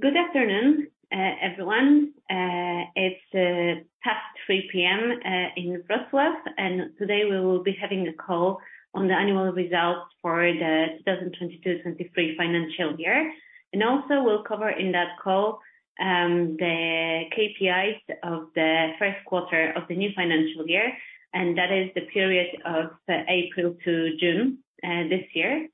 Good afternoon, everyone. It's past 3:00 P.M. in Wroclaw. Today we will be having a call on the annual results for the 2022-2023 financial year. Also we'll cover in that call, the KPIs of the first quarter of the new financial year, and that is the period of April to June, this year.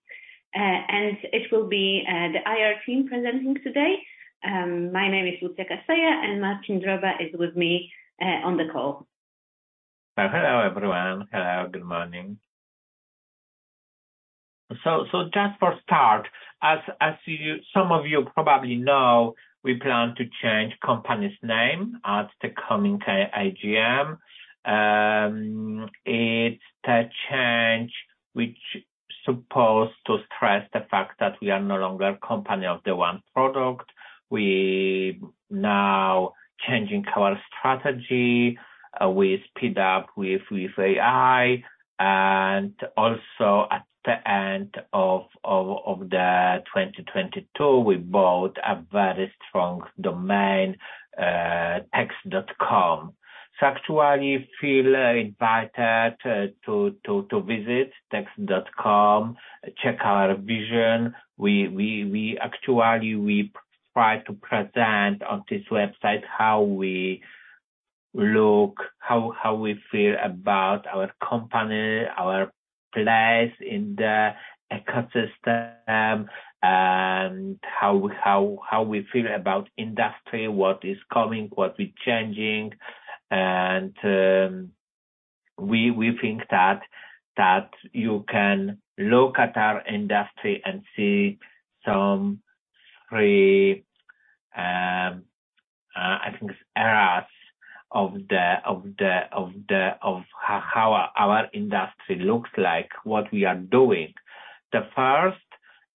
It will be the I.R. team presenting today. My name is Łucja Kaseja, and Marcin Droba is with me on the call. Hello, everyone. Hello, good morning. Just for start, as some of you probably know, we plan to change company's name at the coming AGM. It's a change which supposed to stress the fact that we are no longer a company of the one product. We now changing our strategy, we speed up with AI, and also at the end of 2022, we bought a very strong domain, text.com. Actually feel invited to visit text.com, check our vision. We actually try to present on this website how we look, how we feel about our company, our place in the ecosystem, and how we feel about industry, what is coming, what we're changing. We think that you can look at our industry and see some three I think eras of how our industry looks like, what we are doing. The first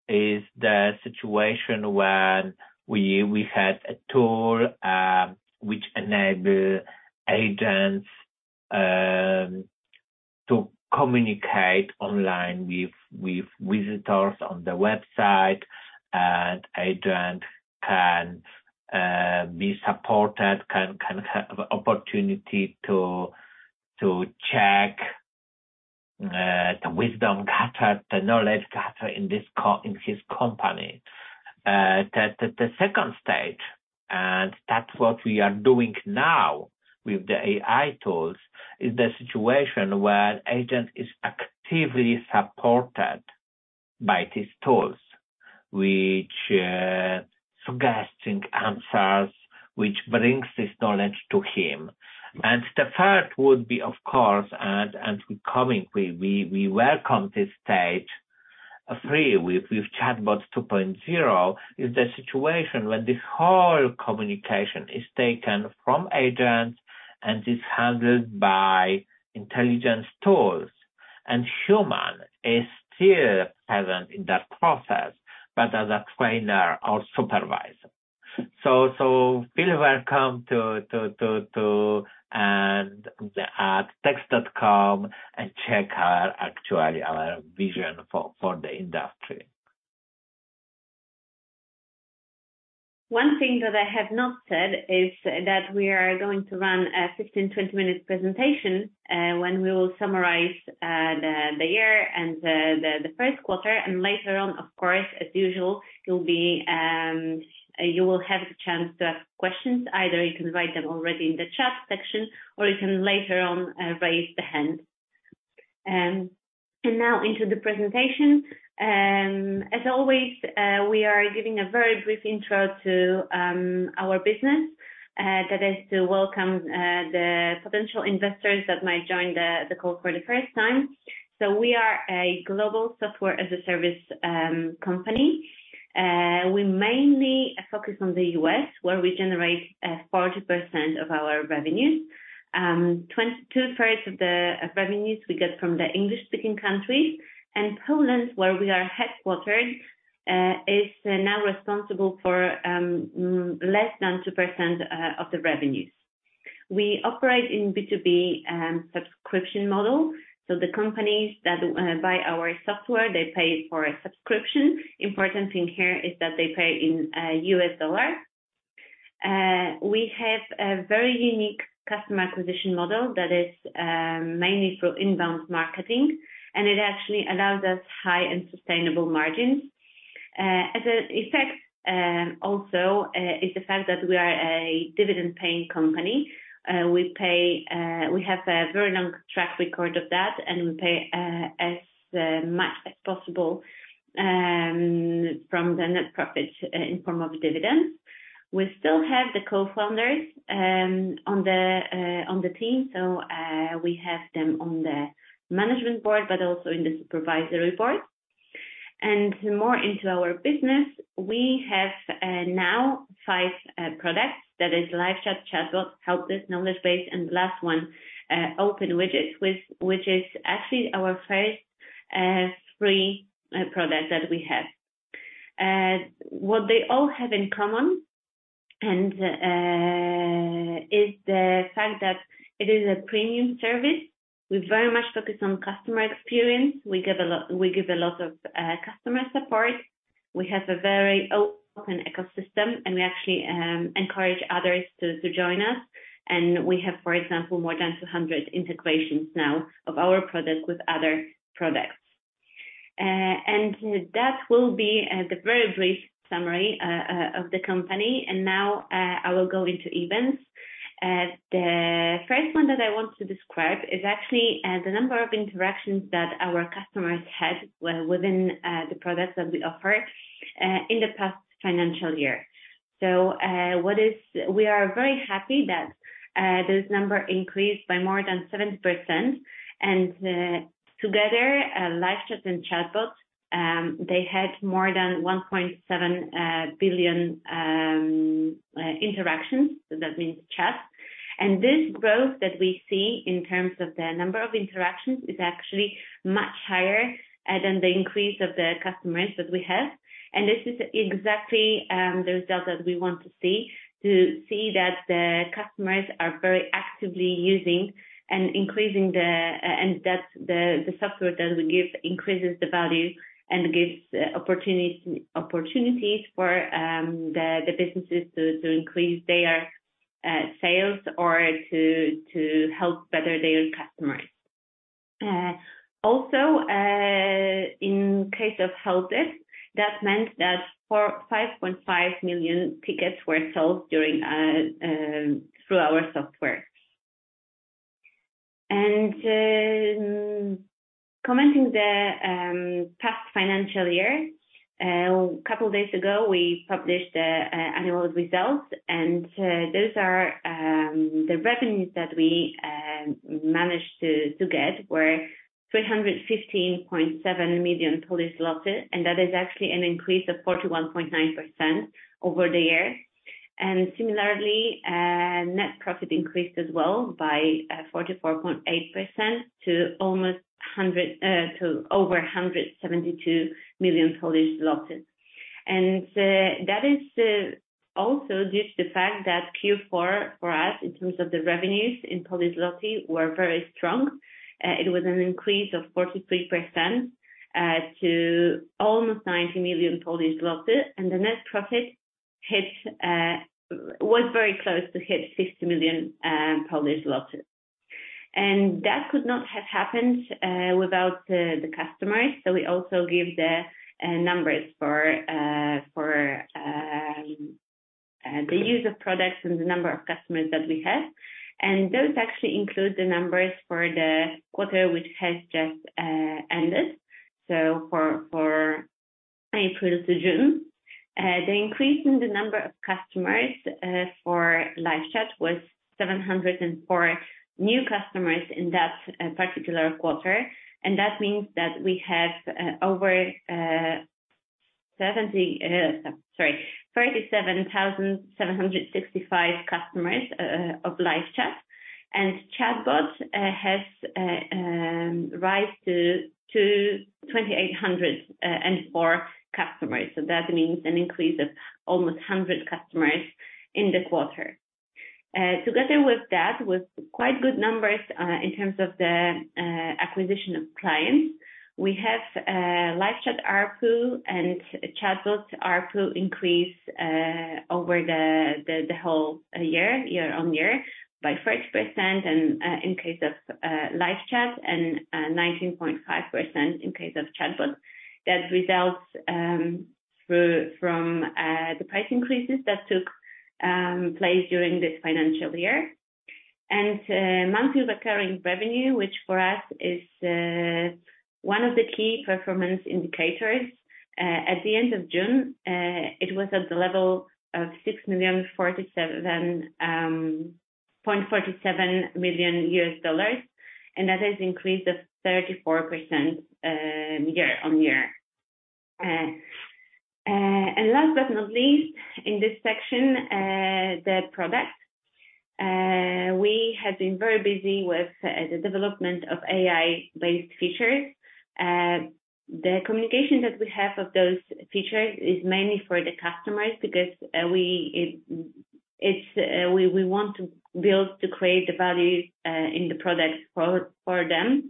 is the situation when we had a tool which enable agents to communicate online with visitors on the website, and agent can be supported, can have opportunity to check the wisdom gathered, the knowledge gathered in his company. The second stage, and that's what we are doing now with the AI tools, is the situation where agent is actively supported by these tools, which suggesting answers, which brings this knowledge to him. The third would be, of course, and we coming, we welcome this stage, free with ChatBot 2.0, is the situation when this whole communication is taken from agent and is handled by intelligence tools. Human is still present in that process, but as a trainer or supervisor. Feel welcome to, and, at text.com, and check our actually our vision for the industry. One thing that I have not said is that we are going to run a 15-20 minute presentation, when we will summarize the year and the first quarter. Later on, of course, as usual, you'll be, you will have the chance to ask questions. Either you can write them already in the chat section, or you can later on raise the hand. Now into the presentation. As always, we are giving a very brief intro to our business that is to welcome the potential investors that might join the call for the first time. We are a global software as a service company. We mainly focus on the U.S., where we generate 40% of our revenues. 22% of the revenues we get from the English-speaking countries, and Poland, where we are headquartered, is now responsible for less than 2% of the revenues. We operate in B2B subscription model, so the companies that buy our software, they pay for a subscription. Important thing here is that they pay in US dollar. We have a very unique customer acquisition model that is mainly through inbound marketing, and it actually allows us high and sustainable margins. As an effect, also, is the fact that we are a dividend-paying company. We have a very long track record of that, and we pay as much as possible from the net profit in form of dividends. We still have the co-founders on the on the team, we have them on the management board, but also in the supervisory board. More into our business, we have now five products. That is LiveChat, ChatBot, HelpDesk, KnowledgeBase, and last one, OpenWidget, which is actually our first free product that we have. What they all have in common and is the fact that it is a premium service. We very much focus on customer experience. We give a lot of customer support. We have a very open ecosystem, and we actually encourage others to join us. We have, for example, more than 200 integrations now of our products with other products. That will be the very brief summary of the company. Now, I will go into events. The first one that I want to describe is actually the number of interactions that our customers had within the products that we offer in the past financial year. We are very happy that this number increased by more than 70%. Together, LiveChat and ChatBot, they had more than 1.7 billion interactions. That means chats. This growth that we see in terms of the number of interactions is actually much higher than the increase of the customers that we have. This is exactly the result that we want to see, to see that the customers are very actively using and increasing the. That the software that we give increases the value and gives opportunities for the businesses to increase their sales or to help better their own customers. Also, in case of HelpDesk, that meant that 5.5 million tickets were sold during through our software. Commenting the past financial year, a couple of days ago, we published the annual results, those are the revenues that we managed to get were 315.7 million, and that is actually an increase of 41.9% over the year. Similarly, net profit increased as well by 44.8% to over 172 million. That is also due to the fact that Q4 for us, in terms of the revenues in Polish zloty, were very strong. It was an increase of 43% to almost 90 million. The net profit hit was very close to hit 50 million. That could not have happened without the customers. We also give the numbers for the use of products and the number of customers that we have. Those actually include the numbers for the quarter, which has just ended. For April to June, the increase in the number of customers for LiveChat was 704 new customers in that particular quarter. That means that we have over 37,765 customers of LiveChat. ChatBot has rise to 2,804 customers. That means an increase of almost 100 customers in the quarter. Together with that, with quite good numbers in terms of the acquisition of clients, we have LiveChat ARPU and ChatBot ARPU increase over the whole year on year, by 4% and in case of LiveChat and 19.5% in case of ChatBot. That results through from the price increases that took place during this financial year. Monthly recurring revenue, which for us is one of the key performance indicators. At the end of June, it was at the level of $6.047 million and that is increase of 34% year-on-year. Last but not least, in this section, the product. We have been very busy with the development of AI-based features. The communication that we have of those features is mainly for the customers because we, it's, we want to build to create the value in the product for them.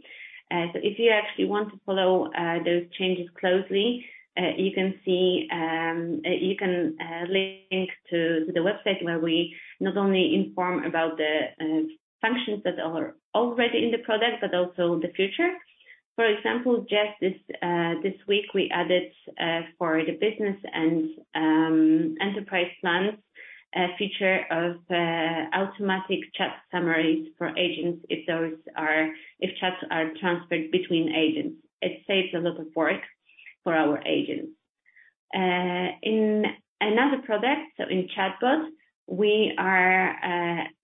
So if you actually want to follow those changes closely, you can see, you can link to the website, where we not only inform about the functions that are already in the product, but also the future. For example, just this week, we added for the business and enterprise plans, a feature of automatic chat summaries for agents, if chats are transferred between agents. It saves a lot of work for our agents. In another product, so in ChatBot, we are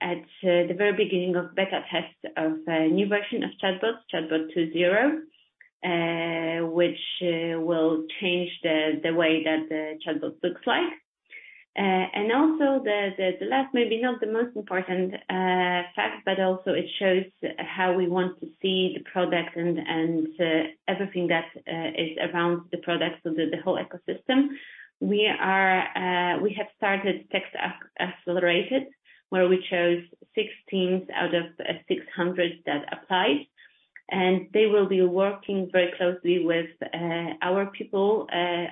at the very beginning of beta test of a new version of ChatBot 2.0, which will change the way that the ChatBot looks like. Also the last, maybe not the most important fact, but also it shows how we want to see the product and everything that is around the product, so the whole ecosystem. We are, we have started Text Accelerated, where we chose six teams out of 600 that applied, and they will be working very closely with our people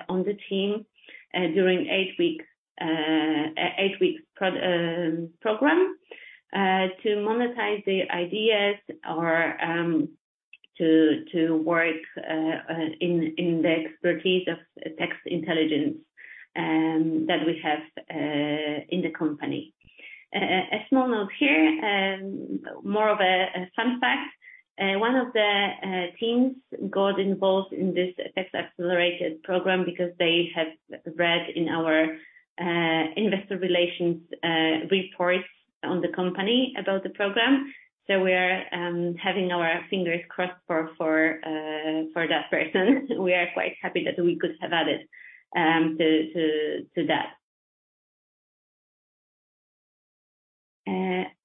on the team during eight weeks program to monetize their ideas or to work in the expertise of Text Intelligence that we have in the company. A small note here, more of a fun fact. One of the teams got involved in this Text Accelerated program because they have read in our Investor Relations reports on the company about the program. We are having our fingers crossed for that person. We are quite happy that we could have added to that.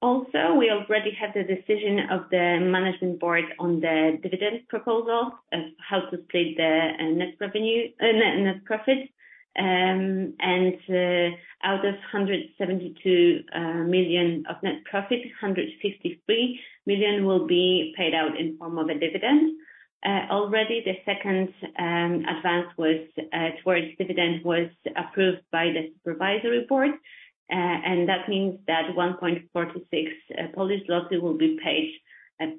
Also, we already have the decision of the management board on the dividend proposal of how to split the net revenue, net profit. Out of 172 million of net profit, 153 million will be paid out in form of a dividend. Already the second advance towards dividend was approved by the supervisory board. That means that 1.46 Polish zloty will be paid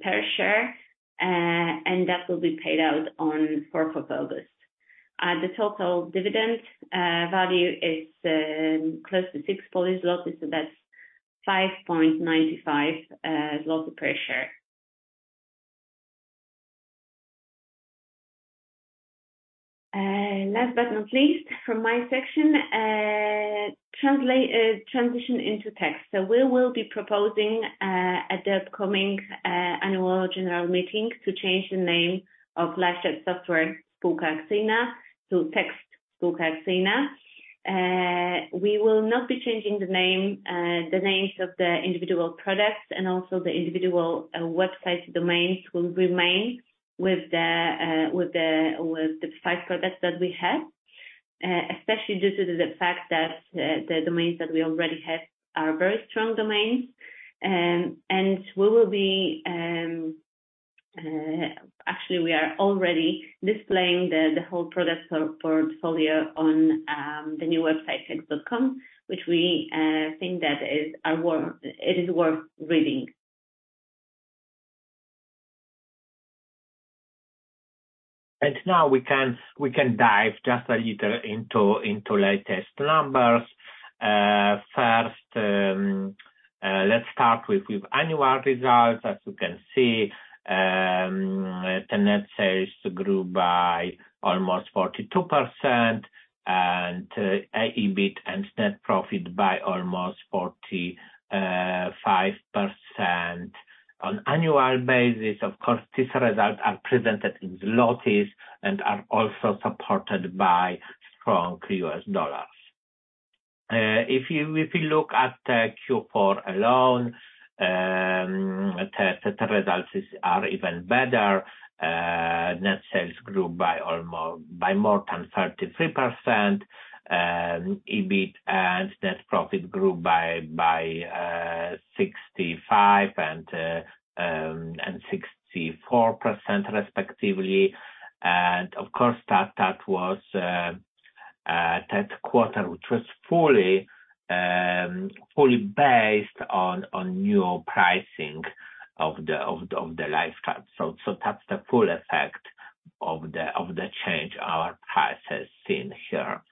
per share, and that will be paid out on 4th of August. The total dividend value is close to 6, so that's 5.95 zloty per share. Last but not least, from my section, transition into Text. We will be proposing at the upcoming annual general meeting to change the name of LiveChat Software Spółka Akcyjna to TEXT Spółka Akcyjna. We will not be changing the name, the names of the individual products and also the individual website domains will remain with the with the with the five products that we have, especially due to the fact that the domains that we already have are very strong domains. We will be actually, we are already displaying the whole product portfolio on the new website, text.com, which we think that is are worth, it is worth reading. Now we can dive just a little into latest numbers. First, let's start with annual results. As you can see, the net sales grew by almost 42%, and EBIT and net profit by almost 45%. On annual basis, of course, these results are presented in zlotys and are also supported by strong US dollars. If you look at the Q4 alone, the results are even better. Net sales grew by more than 33%, and EBIT and net profit grew by 65% and 64% respectively. Of course, that was that quarter, which was fully based on new pricing of the LiveChat. That's the full effect of the change our price has seen here.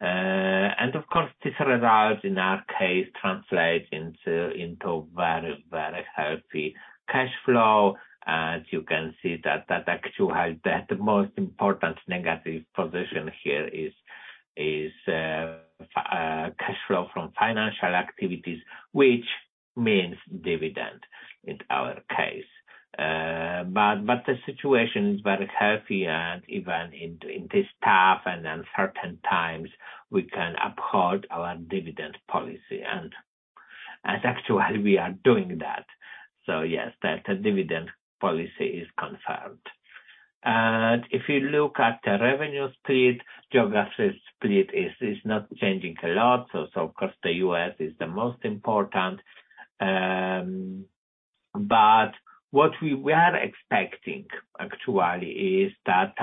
Of course, these results, in our case, translate into very, very healthy cash flow. As you can see that actually, the most important negative position here is cash flow from financial activities, which means dividend, in our case. The situation is very healthy, and even in this tough and uncertain times, we can uphold our dividend policy, and actually, we are doing that. Yes, that dividend policy is confirmed. If you look at the revenue split, geographic split is not changing a lot. Of course, the U.S. is the most important. What we were expecting actually is that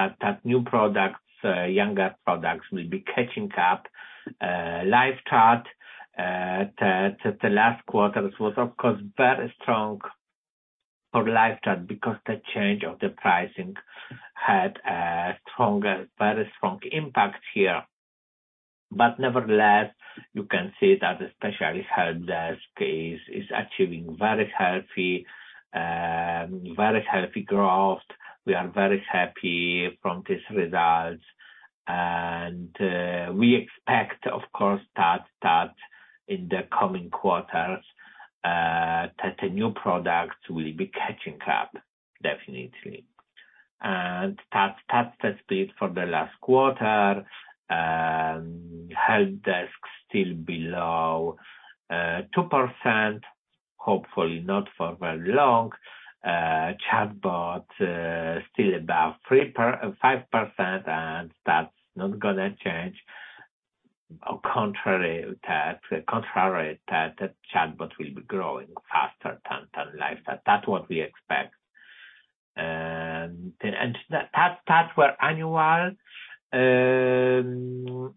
new products, younger products will be catching up. LiveChat, the last quarter was of course, very strong for LiveChat because the change of the pricing had a very strong impact here. Nevertheless, you can see that especially HelpDesk is achieving very healthy growth. We are very happy from these results, and we expect, of course, that in the coming quarters, that the new products will be catching up, definitely. That's the split for the last quarter. HelpDesk still below 2%, hopefully not for very long. ChatBot still about 5%, and that's not gonna change. Contrary, that the ChatBot will be growing faster than LiveChat. That's what we expect. That were annual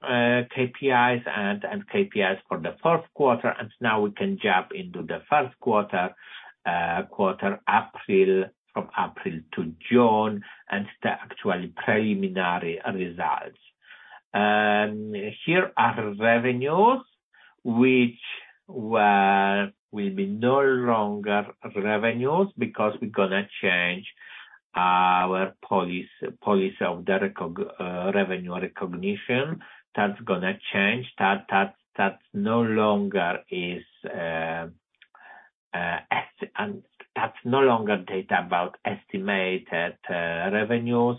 KPIs and KPIs for the fourth quarter. Now we can jump into the first quarter April, from April to June, and the actual preliminary results. Here are revenues, which were, will be no longer revenues because we're gonna change our policy of the revenue recognition. That's gonna change. That's no longer data about estimated revenues.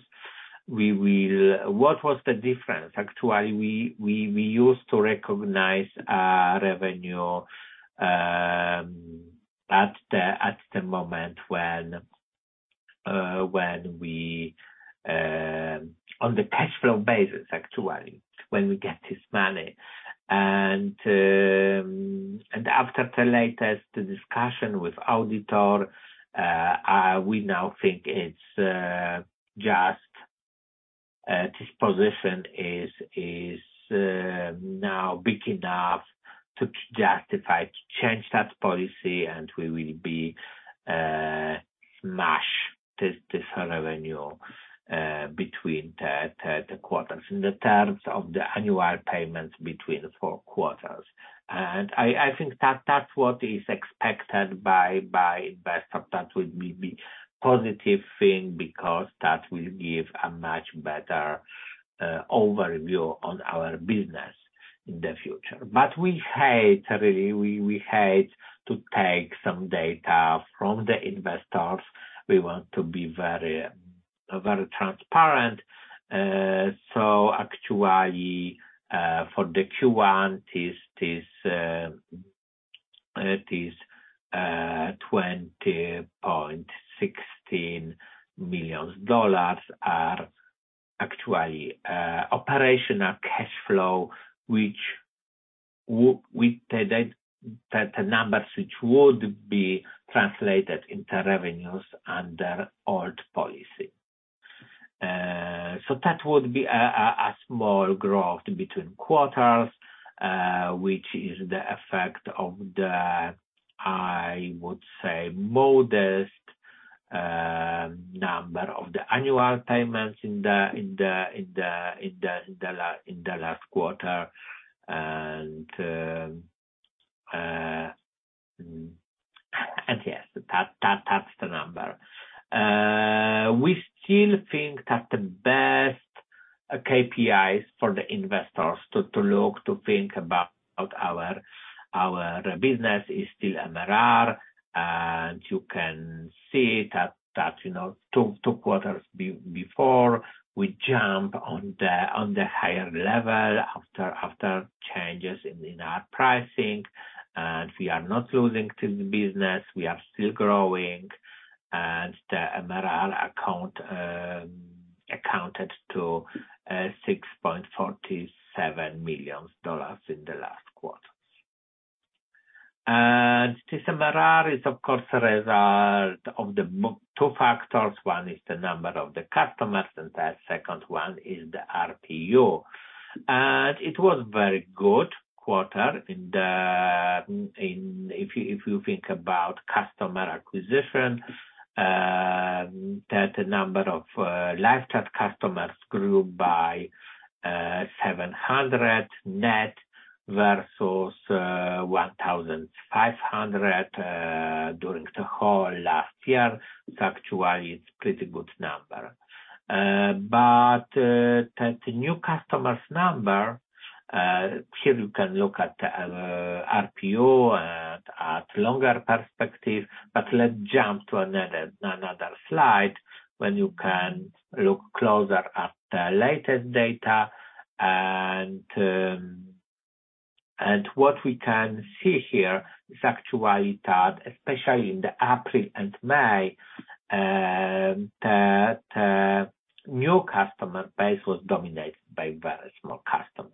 What was the difference? Actually, we used to recognize our revenue at the moment when we on the cash flow basis, actually, when we get this money. After the latest discussion with auditor, we now think it's just this position is now big enough to justify to change that policy, and we will be smash this revenue between the quarters in the terms of the annual payments between the four quarters. I think that that's what is expected by investors. That will be positive thing because that will give a much better overview on our business in the future. We hate really, we hate to take some data from the investors. We want to be very transparent. Actually, for the Q1, $20.16 million operational cash flow, which would be translated into revenues under old policy. That would be a small growth between quarters, which is the effect of the, I would say, modest number of the annual payments in the last quarter. Yes, that's the number. We still think that the best KPIs for the investors to look, to think about our business is still MRR, you can see that, you know, 2 quarters before we jump on the higher level after changes in our pricing, we are not losing this business. We are still growing, the MRR account accounted to $6.47 million in the last quarter. This MRR is, of course, a result of the two factors. One is the number of the customers, the second one is the RPU. It was very good quarter. If you think about customer acquisition, that number of LiveChat customers grew by 700 net versus 1,500 during the whole last year. Actually, it's pretty good number. The new customers number, here you can look at RPU and at longer perspective, let's jump to another slide when you can look closer at the latest data. What we can see here is actually that, especially in the April and May, the new customer base was dominated by very small customers.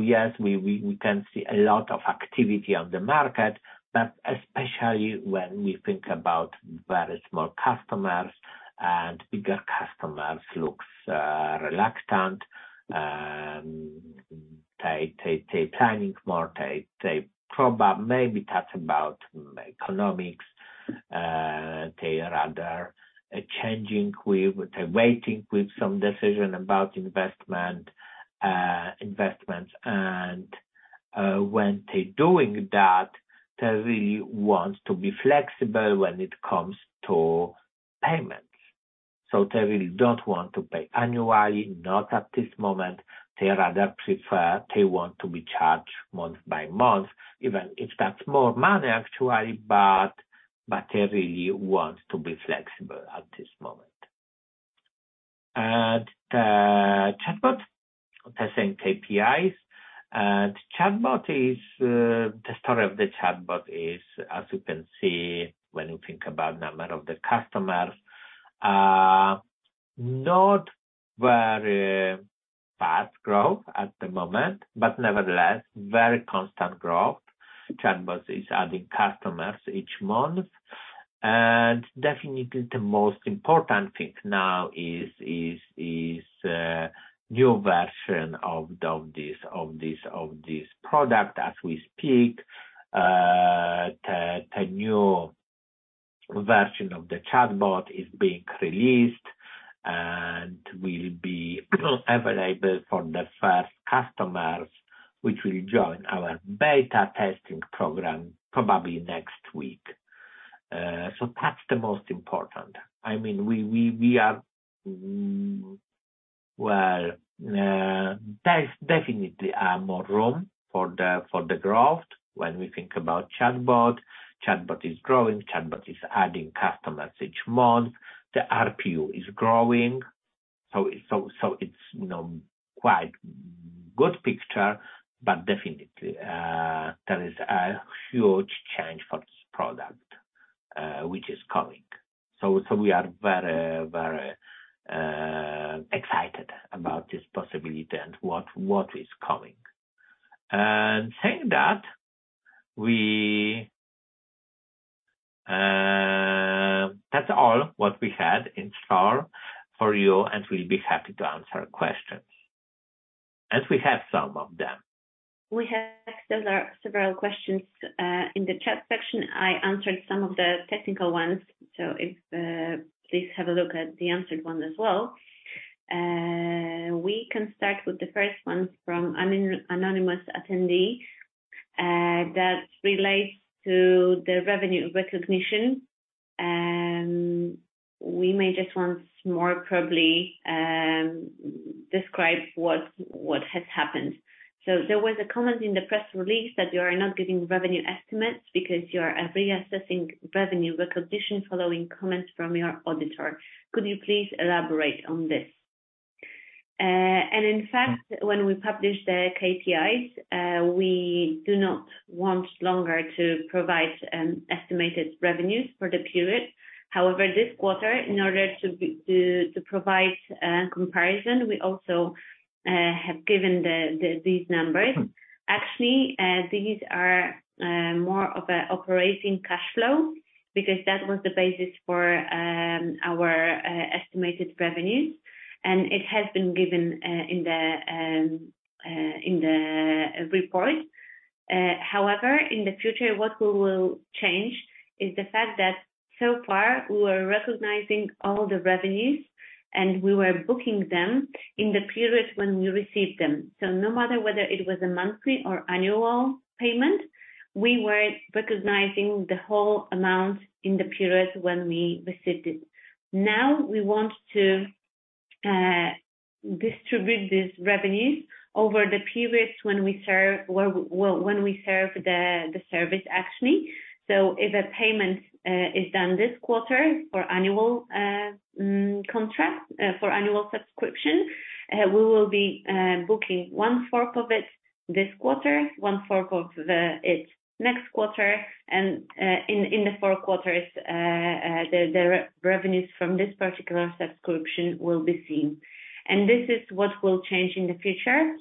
Yes, we can see a lot of activity on the market, but especially when we think about very small customers and bigger customers, looks reluctant. They planning more, they probably, maybe that's about economics that they are rather changing with, they're waiting with some decision about investments. When they're doing that, they really want to be flexible when it comes to payments. They really don't want to pay annually, not at this moment. They rather prefer, they want to be charged month by month, even if that's more money actually, but they really want to be flexible at this moment. ChatBot, the same KPIs. The story of the ChatBot is, as you can see, when you think about number of the customers, not very fast growth at the moment, but nevertheless, very constant growth. ChatBot is adding customers each month. Definitely the most important thing now is new version of this product. As we speak, the new version of the ChatBot is being released and will be available for the first customers, which will join our beta testing program probably next week. That's the most important. I mean, we are, well, there's definitely are more room for the growth when we think about ChatBot. ChatBot is growing, ChatBot is adding customers each month. The RPU is growing, so it's, you know, quite good picture, but definitely, there is a huge change for this product, which is coming. We are very excited about this possibility and what is coming. That's all what we had in store for you, and we'll be happy to answer questions, as we have some of them. We have several questions in the chat section. I answered some of the technical ones, so if, please have a look at the answered one as well. We can start with the first one from an anonymous attendee that relates to the revenue recognition. We may just once more probably describe what has happened. There was a comment in the press release that you are not giving revenue estimates because you are reassessing revenue recognition following comments from your auditor. Could you please elaborate on this? In fact, when we publish the KPIs, we do not want longer to provide estimated revenues for the period. However, this quarter, in order to be, to provide comparison, we also have given these numbers. Actually, these are more of a operating cash flow, because that was the basis for our estimated revenues, and it has been given in the report. However, in the future, what we will change is the fact that so far we were recognizing all the revenues, and we were booking them in the period when we received them. No matter whether it was a monthly or annual payment, we were recognizing the whole amount in the period when we received it. Now, we want to distribute these revenues over the periods when we serve, when we serve the service actually. If a payment is done this quarter for annual contract, for annual subscription, we will be booking one fourth of it this quarter, one fourth of it next quarter, and in the four quarters, the revenues from this particular subscription will be seen. This is what will change in the future.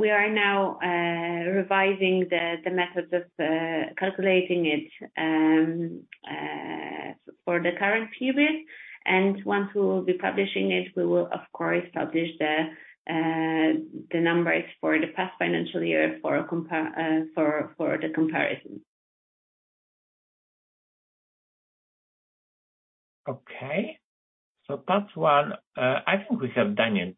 We are now revising the methods of calculating it for the current period. Once we will be publishing it, we will of course, publish the numbers for the past financial year for comparison. Okay. That's one. I think we have Daniel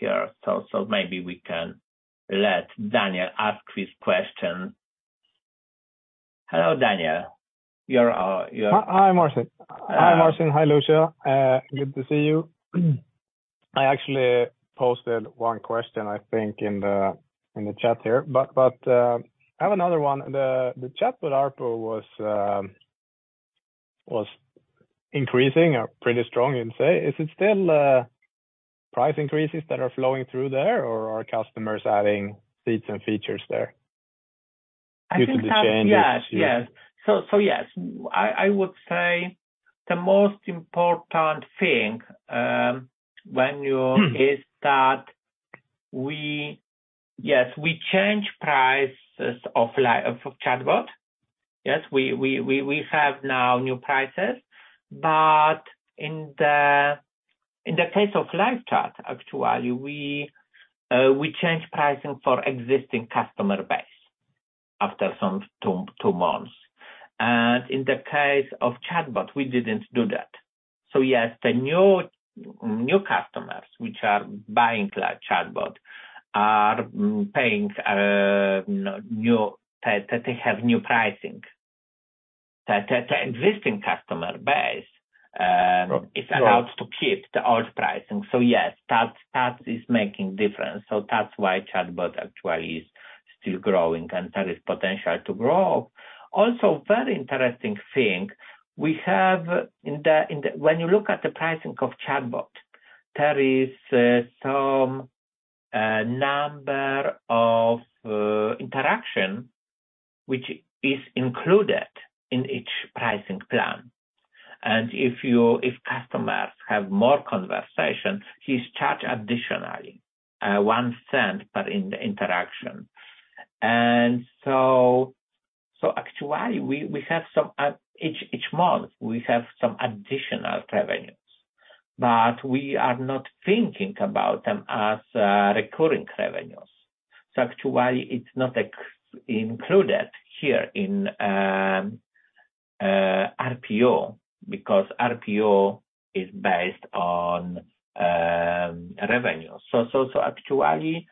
here, so maybe we can let Daniel ask his question. Hello, Daniel. You're. Hi, Marcin. Hi, Marcin. Hi, Lucja. Good to see you. I actually posted one question, I think, in the chat here, but I have another one. The ChatBot RPO was increasing pretty strong, you'd say. Is it still price increases that are flowing through there, or are customers adding seats and features there? Due to the changes. Yes, yes. So yes, I would say the most important thing. Yes, we change prices of ChatBot. Yes, we have now new prices, but in the case of LiveChat, actually, we changed pricing for existing customer base after some two months. In the case of ChatBot, we didn't do that. Yes, the new customers which are buying ChatBot are paying new, that they have new pricing. That the existing customer base. Right. Is allowed to keep the old pricing. Yes, that is making difference. That's why ChatBot actually is still growing, and there is potential to grow. Very interesting thing, we have in the when you look at the pricing of ChatBot, there is some number of interaction, which is included in each pricing plan. If you, if customers have more conversation, he's charged additionally $0.01 per in the interaction. Actually, we have some each month, we have some additional revenues, but we are not thinking about them as recurring revenues. Actually, it's not included here in RPO, because RPO is based on revenue. Actually,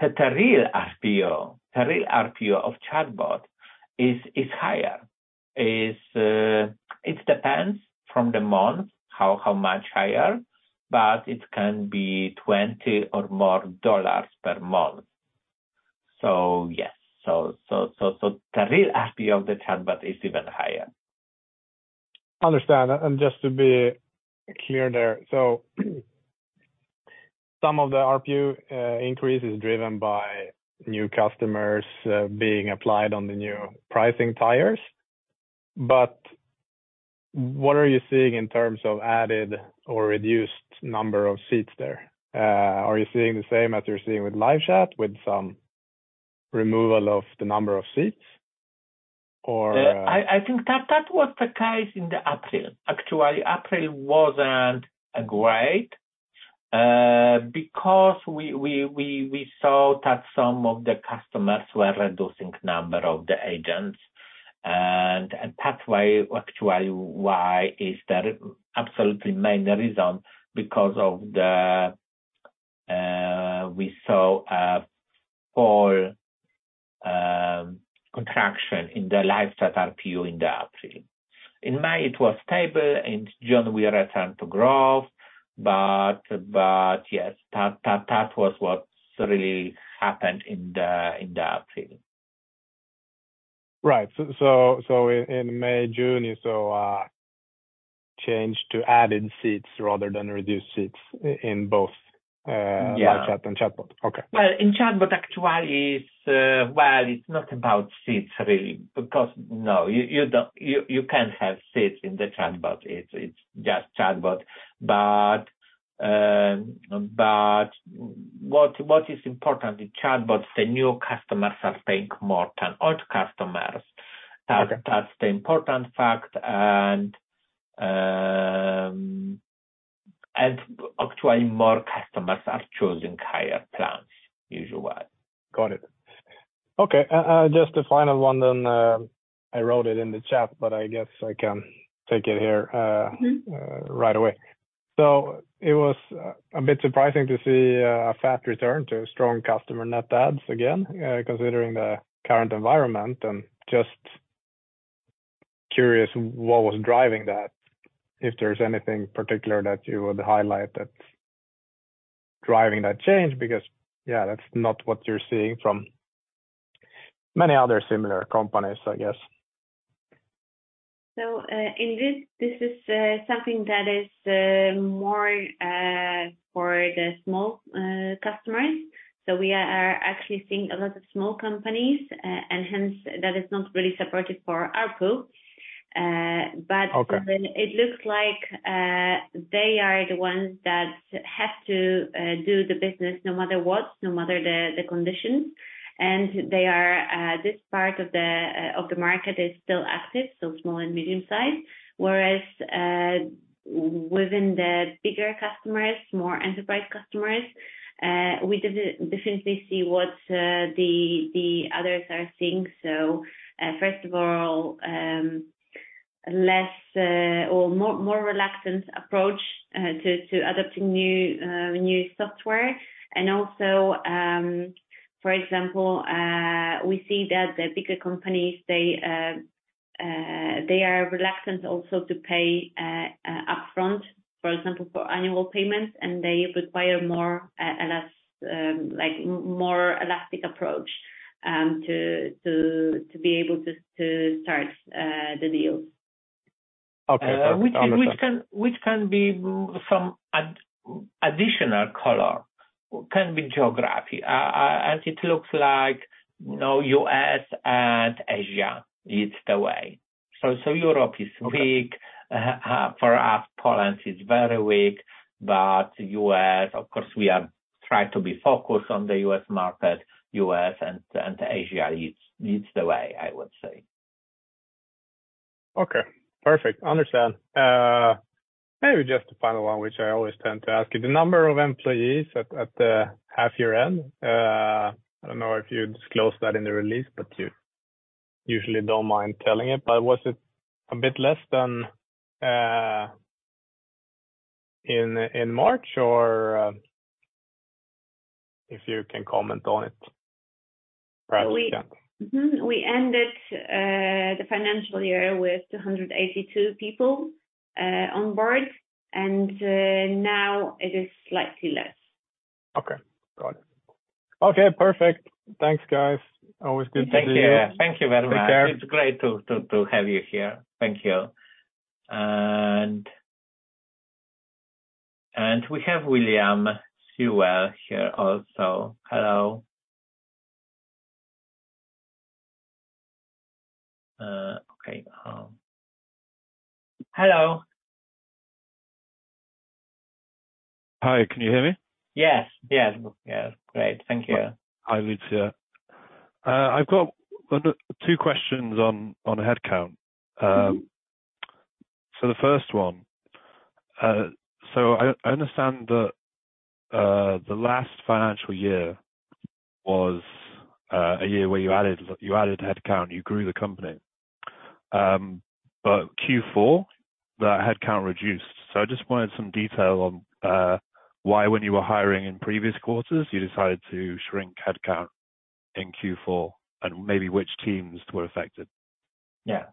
the real RPO of ChatBot is higher. Is, it depends from the month, how much higher, but it can be $20 or more per month. Yes. The real RPO of the chatbot is even higher. Understand. Just to be clear there, some of the RPO increase is driven by new customers, being applied on the new pricing tiers. What are you seeing in terms of added or reduced number of seats there? Are you seeing the same as you're seeing with LiveChat, with some removal of the number of seats, or? I think that was the case in the April. Actually, April wasn't great because we saw that some of the customers were reducing number of the agents, and that's why, actually, why is the absolutely main reason because of the we saw a poor contraction in the LiveChat RPO in the April. In May, it was stable, in June, we returned to growth, but yes, that was what really happened in the April. Right. In May, June, so change to added seats rather than reduced seats in both. Yeah. LiveChat and ChatBot. Okay. In ChatBot, actually, it's, well, it's not about seats really, because no, you can't have seats in the ChatBot. It's just ChatBot. What is important in ChatBots, the new customers are paying more than old customers. That's the important fact, and actually, more customers are choosing higher plans usually. Got it. Okay, just a final one then, I wrote it in the chat, but I guess I can take it here. Right away. It was a bit surprising to see a fast return to strong customer net adds again, considering the current environment. Just curious, what was driving that? If there's anything particular that you would highlight that's driving that change. Yeah, that's not what you're seeing from many other similar companies, I guess. In this is something that is more for the small customers. We are actually seeing a lot of small companies, and hence, that is not really supported for RPO. Okay. It looks like, they are the ones that have to do the business no matter what, no matter the conditions. They are, this part of the market is still active, so small and medium-sized. Whereas, within the bigger customers, more enterprise customers, we definitely see what the others are seeing. First of all, less or more reluctant approach to adopting new software. Also, for example, we see that the bigger companies, they are reluctant also to pay upfront, for example, for annual payments, and they require more, less, like more elastic approach to be able to start the deals. Okay. Which can be from additional color, can be geography. As it looks like, you know, US and Asia leads the way. Europe is weak. For us, Poland is very weak. U.S., of course, we try to be focused on the U.S. market. U.S. and Asia leads the way, I would say. Okay, perfect. Understand. Maybe just a final one, which I always tend to ask you. The number of employees at the half year end, I don't know if you disclosed that in the release, but you usually don't mind telling it. Was it a bit less than in March, or if you can comment on it, perhaps, yeah. We ended the financial year with 282 people on board. Now it is slightly less. Okay, got it. Okay, perfect. Thanks, guys. Always good to see you. Thank you. Thank you very much. Take care. It's great to have you here. Thank you. We have William Sewell here also. Hello. Okay. Hello? Hi, can you hear me? Yes, yes. Great, thank you. Hi, Lucja. I've got two questions on headcount. The first one, I understand that the last financial year was a year where you added headcount, you grew the company. Q4, the headcount reduced. I just wanted some detail on why when you were hiring in previous quarters, you decided to shrink headcount in Q4, and maybe which teams were affected? Yeah.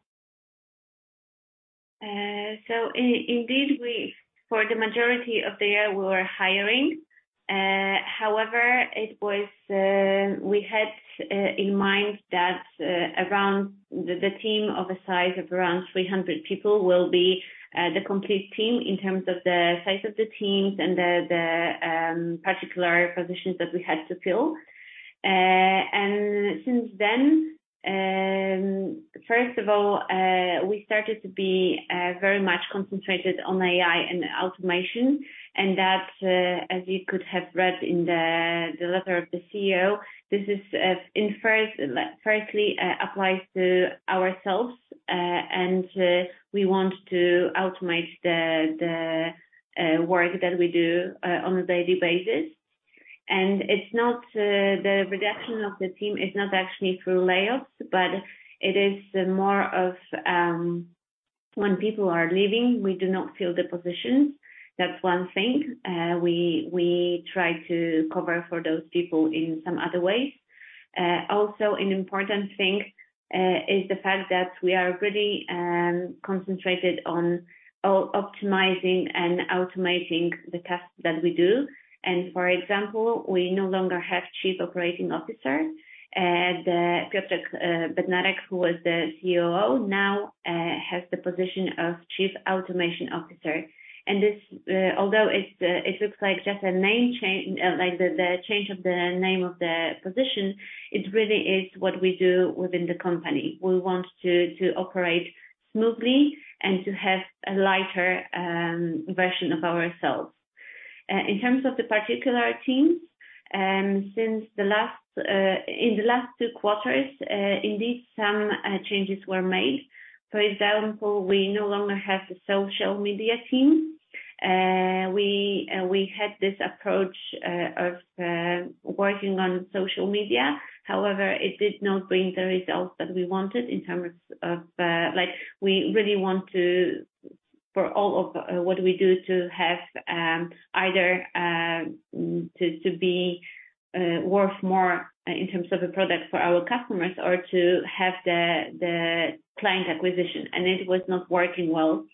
Indeed, we, for the majority of the year, we were hiring. However, it was we had in mind that around the team of a size of around 300 people will be the complete team in terms of the size of the teams and the particular positions that we had to fill. Since then, first of all, we started to be very much concentrated on AI and automation, and that as you could have read in the letter of the CEO, this is in first, firstly, applies to ourselves, and we want to automate the work that we do on a daily basis. It's not, the reduction of the team is not actually through layoffs, but it is more of, when people are leaving, we do not fill the positions. That's one thing. We try to cover for those people in some other ways. Also an important thing is the fact that we are really concentrated on optimizing and automating the tasks that we do. For example, we no longer have Chief Operating Officer. The Piotr Bednarek, who was the COO, now has the position of Chief Automation Officer. This, although it's, it looks like just a name change, like the change of the name of the position, it really is what we do within the company. We want to operate smoothly and to have a lighter version of ourselves. In terms of the particular teams, since the last in the last two quarters, indeed, some changes were made. For example, we no longer have a social media team. We had this approach of working on social media. However, it did not bring the results that we wanted in terms of, like, we really want to, for all of what we do, to have either to be worth more in terms of a product for our customers or to have the client acquisition. It was not working well.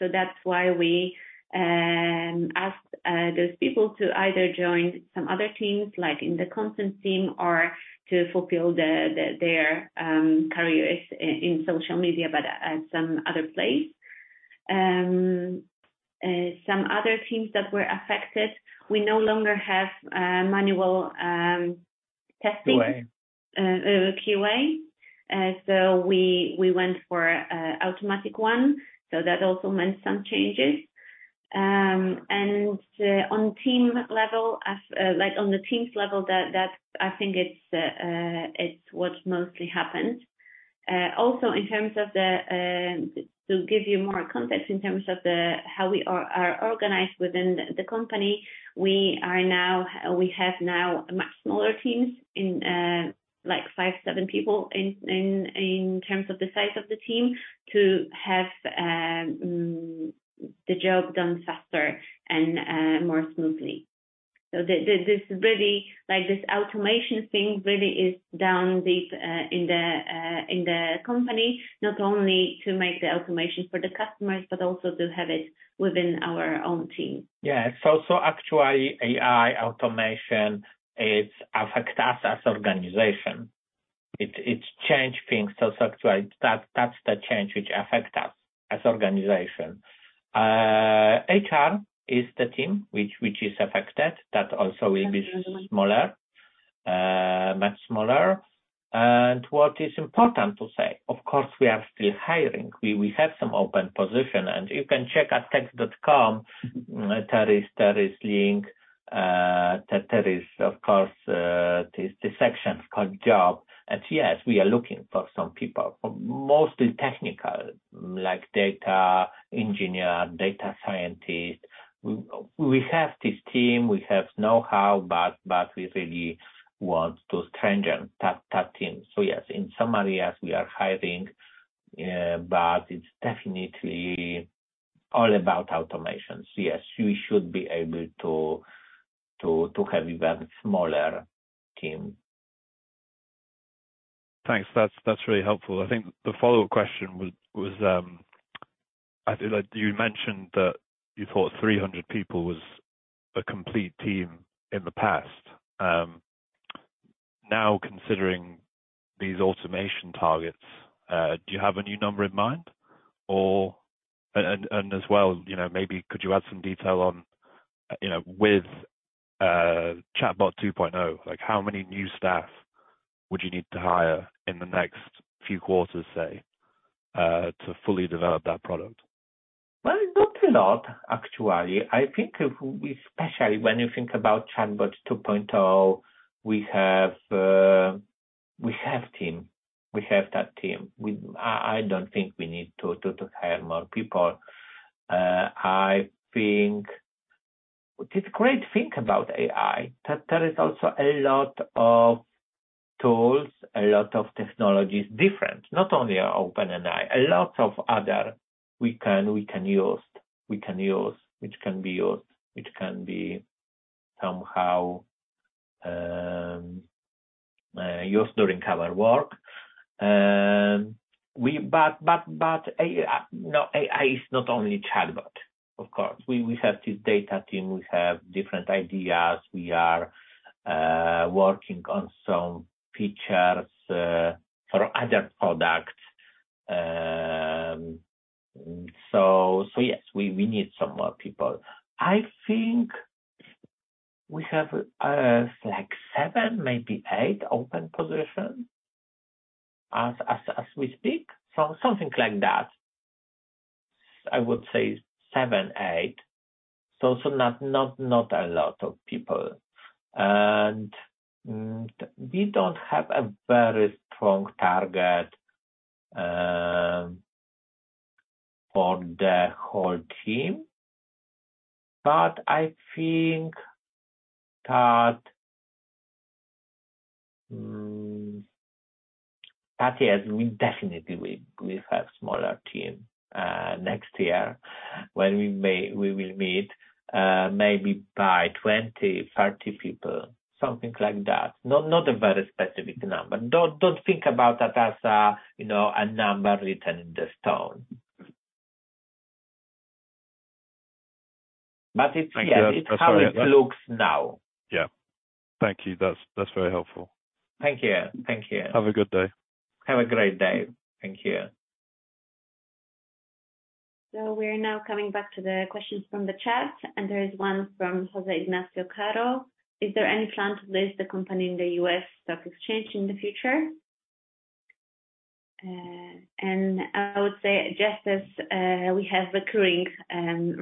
That's why we asked those people to either join some other teams, like in the content team, or to fulfill the their careers in social media, but at some other place. Some other teams that were affected, we no longer have, manual, testing- QA. QA. We went for automatic one, so that also meant some changes. On team level, as like on the teams level, that's I think it's what mostly happened. Also in terms of the to give you more context in terms of the how we are organized within the company, we have now a much smaller teams in like five, seven people in terms of the size of the team, to have the job done faster and more smoothly. This really, like, this automation thing really is down deep in the company, not only to make the automation for the customers, but also to have it within our own team. Actually, AI automation is affect us as organization. It change things. Actually, that's the change which affect us as organization. HR is the team which is affected. That also will be smaller, much smaller. What is important to say, of course, we are still hiring. We have some open position, you can check at text.com, there is link, there is, of course, the section called job. Yes, we are looking for some people, mostly technical, like data engineer, data scientist. We have this team, we have know-how, we really want to strengthen that team. Yes, in some areas we are hiring, but it's definitely all about automation. Yes, we should be able to have even smaller team. Thanks. That's really helpful. I think the follow-up question was, I feel like you mentioned that you thought 300 people was a complete team in the past. Now, considering these automation targets, do you have a new number in mind, or, and as well, you know, maybe could you add some detail on, you know, with ChatBot 2.0, like, how many new staff would you need to hire in the next few quarters, say, to fully develop that product? Not a lot, actually. I think if we, especially when you think about ChatBot 2.0, we have team, we have that team. I don't think we need to hire more people. I think the great thing about AI, that there is also a lot of tools, a lot of technologies, different, not only OpenAI, a lot of other we can use, which can be used, which can be somehow used during our work. We but AI, no, AI is not only ChatBot, of course, we have this data team, we have different ideas. We are working on some features for other products. Yes, we need some more people. I think we have, like seven, maybe eight open positions as we speak. Something like that. I would say seven, eight, not a lot of people. We don't have a very strong target for the whole team, but I think that, yes, we definitely will have smaller team next year when we will meet, maybe by 20, 30 people, something like that. Not a very specific number. Don't think about that as a, you know, a number written in the stone. Thank you. Yeah, it's how it looks now. Yeah. Thank you. That's very helpful. Thank you. Thank you. Have a good day. Have a great day. Thank you. We are now coming back to the questions from the chat, and there is one from José Ignacio Caro: "Is there any plan to list the company in the U.S. stock exchange in the future?". I would say just as we have recurring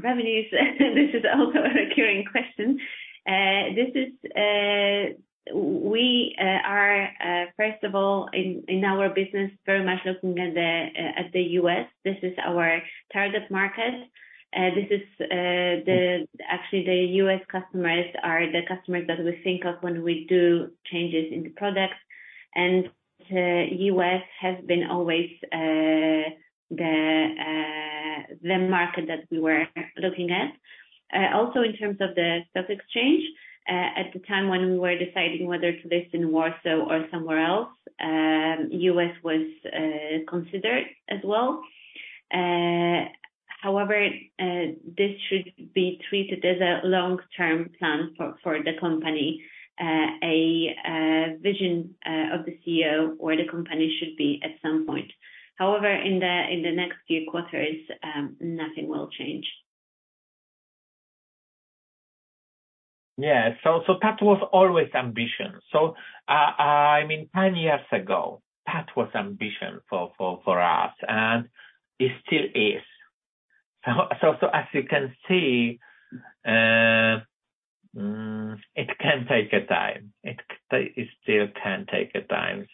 revenues, this is also a recurring question. This is we are first of all, in our business, very much looking at the U.S. This is our target market. Actually, the U.S. customers are the customers that we think of when we do changes in the products, and U.S. has been always the market that we were looking at. Also in terms of the stock exchange, at the time when we were deciding whether to list in Warsaw or somewhere else, U.S. was considered as well. However, this should be treated as a long-term plan for the company, a vision of the CEO or the company should be at some point. In the next few quarters, nothing will change. That was always ambition. I mean, 10 years ago, that was ambition for us, and it still is. As you can see, it can take a time. It still can take a time.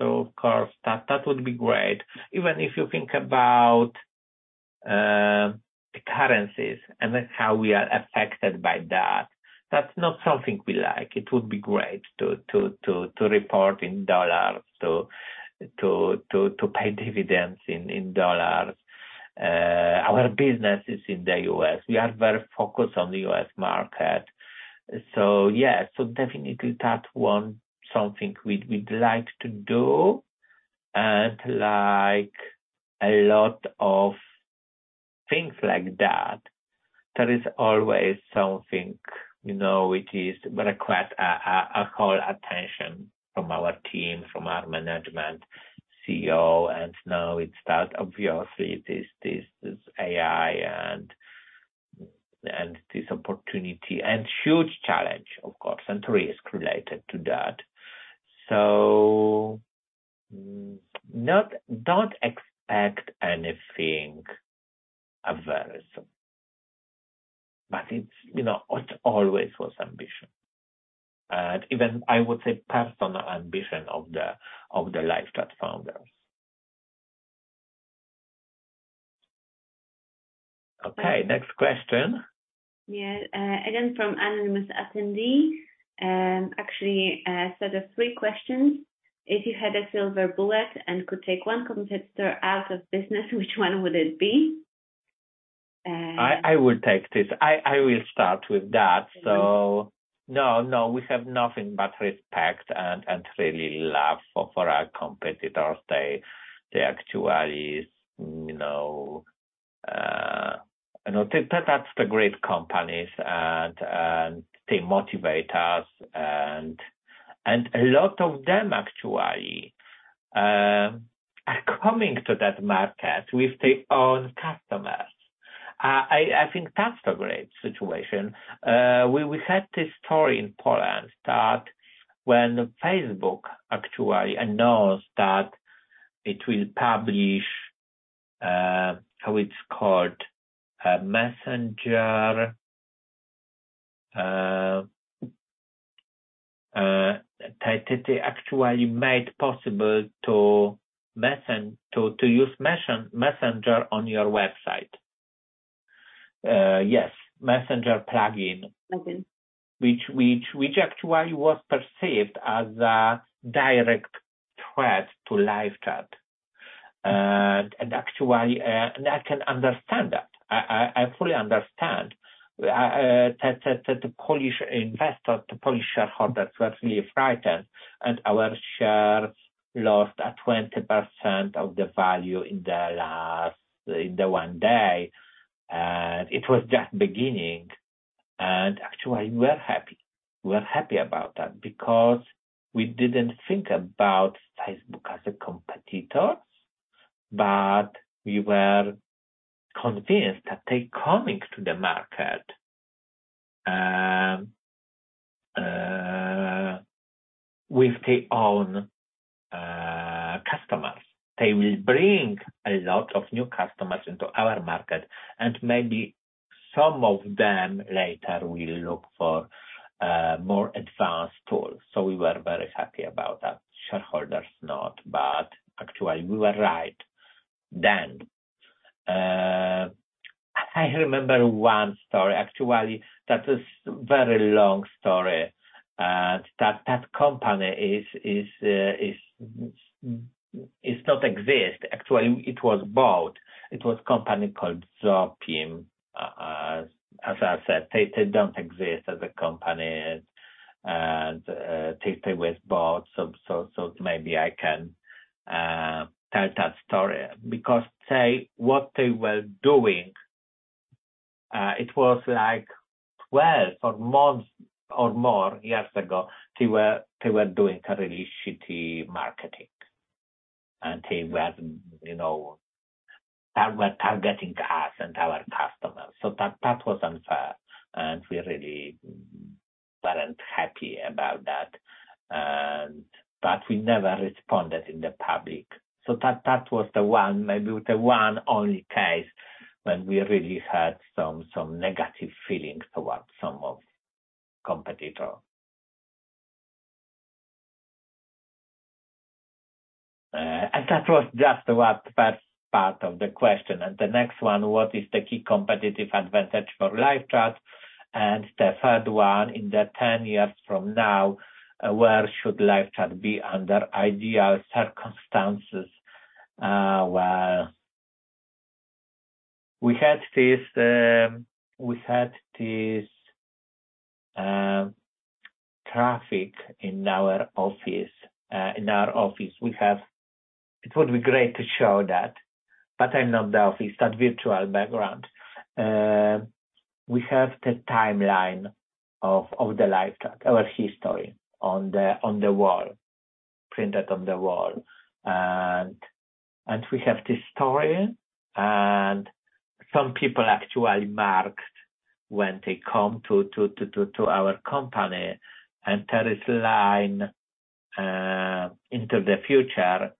Of course, that would be great. Even if you think about the currencies and then how we are affected by that's not something we like. It would be great to report in US dollar, to pay dividends in US dollar. Our business is in the US. We are very focused on the US market. Definitely that one, something we'd like to do, and like a lot of things like that, there is always something, you know, which is require a whole attention. from our team, from our management, CEO, and now it start obviously, this AI and this opportunity, and huge challenge, of course, and risk related to that. Don't expect anything adverse, but it's, you know, it always was ambition. Even I would say personal ambition of the, of the LiveChat founders. Okay, next question. Yeah, again, from anonymous attendee, actually, a set of three questions. If you had a silver bullet and could take one competitor out of business, which one would it be? I would take this. I will start with that. No, we have nothing but respect and really love for our competitors. They actually, you know, you know, they, that's the great companies, and they motivate us, and a lot of them actually are coming to that market with their own customers. I think that's a great situation. We had this story in Poland that when Facebook actually announced that it will publish how it's called, Messenger, they actually made it possible to use Messenger on your website. Yes, Messenger plugin. Which actually was perceived as a direct threat to LiveChat. Actually, I can understand that. I fully understand that the Polish investors, the Polish shareholders were really frightened, and our shares lost a 20% of the value in the one day, and it was just beginning. Actually, we're happy. We're happy about that because we didn't think about Facebook as a competitor, but we were convinced that they coming to the market with their own customers. They will bring a lot of new customers into our market, and maybe some of them later will look for more advanced tools. We were very happy about that. Shareholders not. Actually, we were right then. I remember one story, actually, that is very long story. That company is not exist. Actually, it was bought. It was company called Zopim. As I said, they don't exist as a company, and they were bought, so maybe I can tell that story because what they were doing, it was like 12 or more years ago, they were doing a really shitty marketing, and they were, you know, they were targeting us and our customers. That was unfair, and we really weren't happy about that. We never responded in the public. That was the one, maybe the one only case when we really had some negative feelings towards some of competitor. That was just the what, first part of the question. The next one, what is the key competitive advantage for LiveChat? The third one, in 10 years from now, where should LiveChat be under ideal circumstances? Well, we had this, we had this traffic in our office, in our office. It would be great to show that, but I'm not the office, that virtual background. We have the timeline of the LiveChat, our history on the wall, printed on the wall. We have this story, and some people actually marked when they come to our company, and there is a line into the future,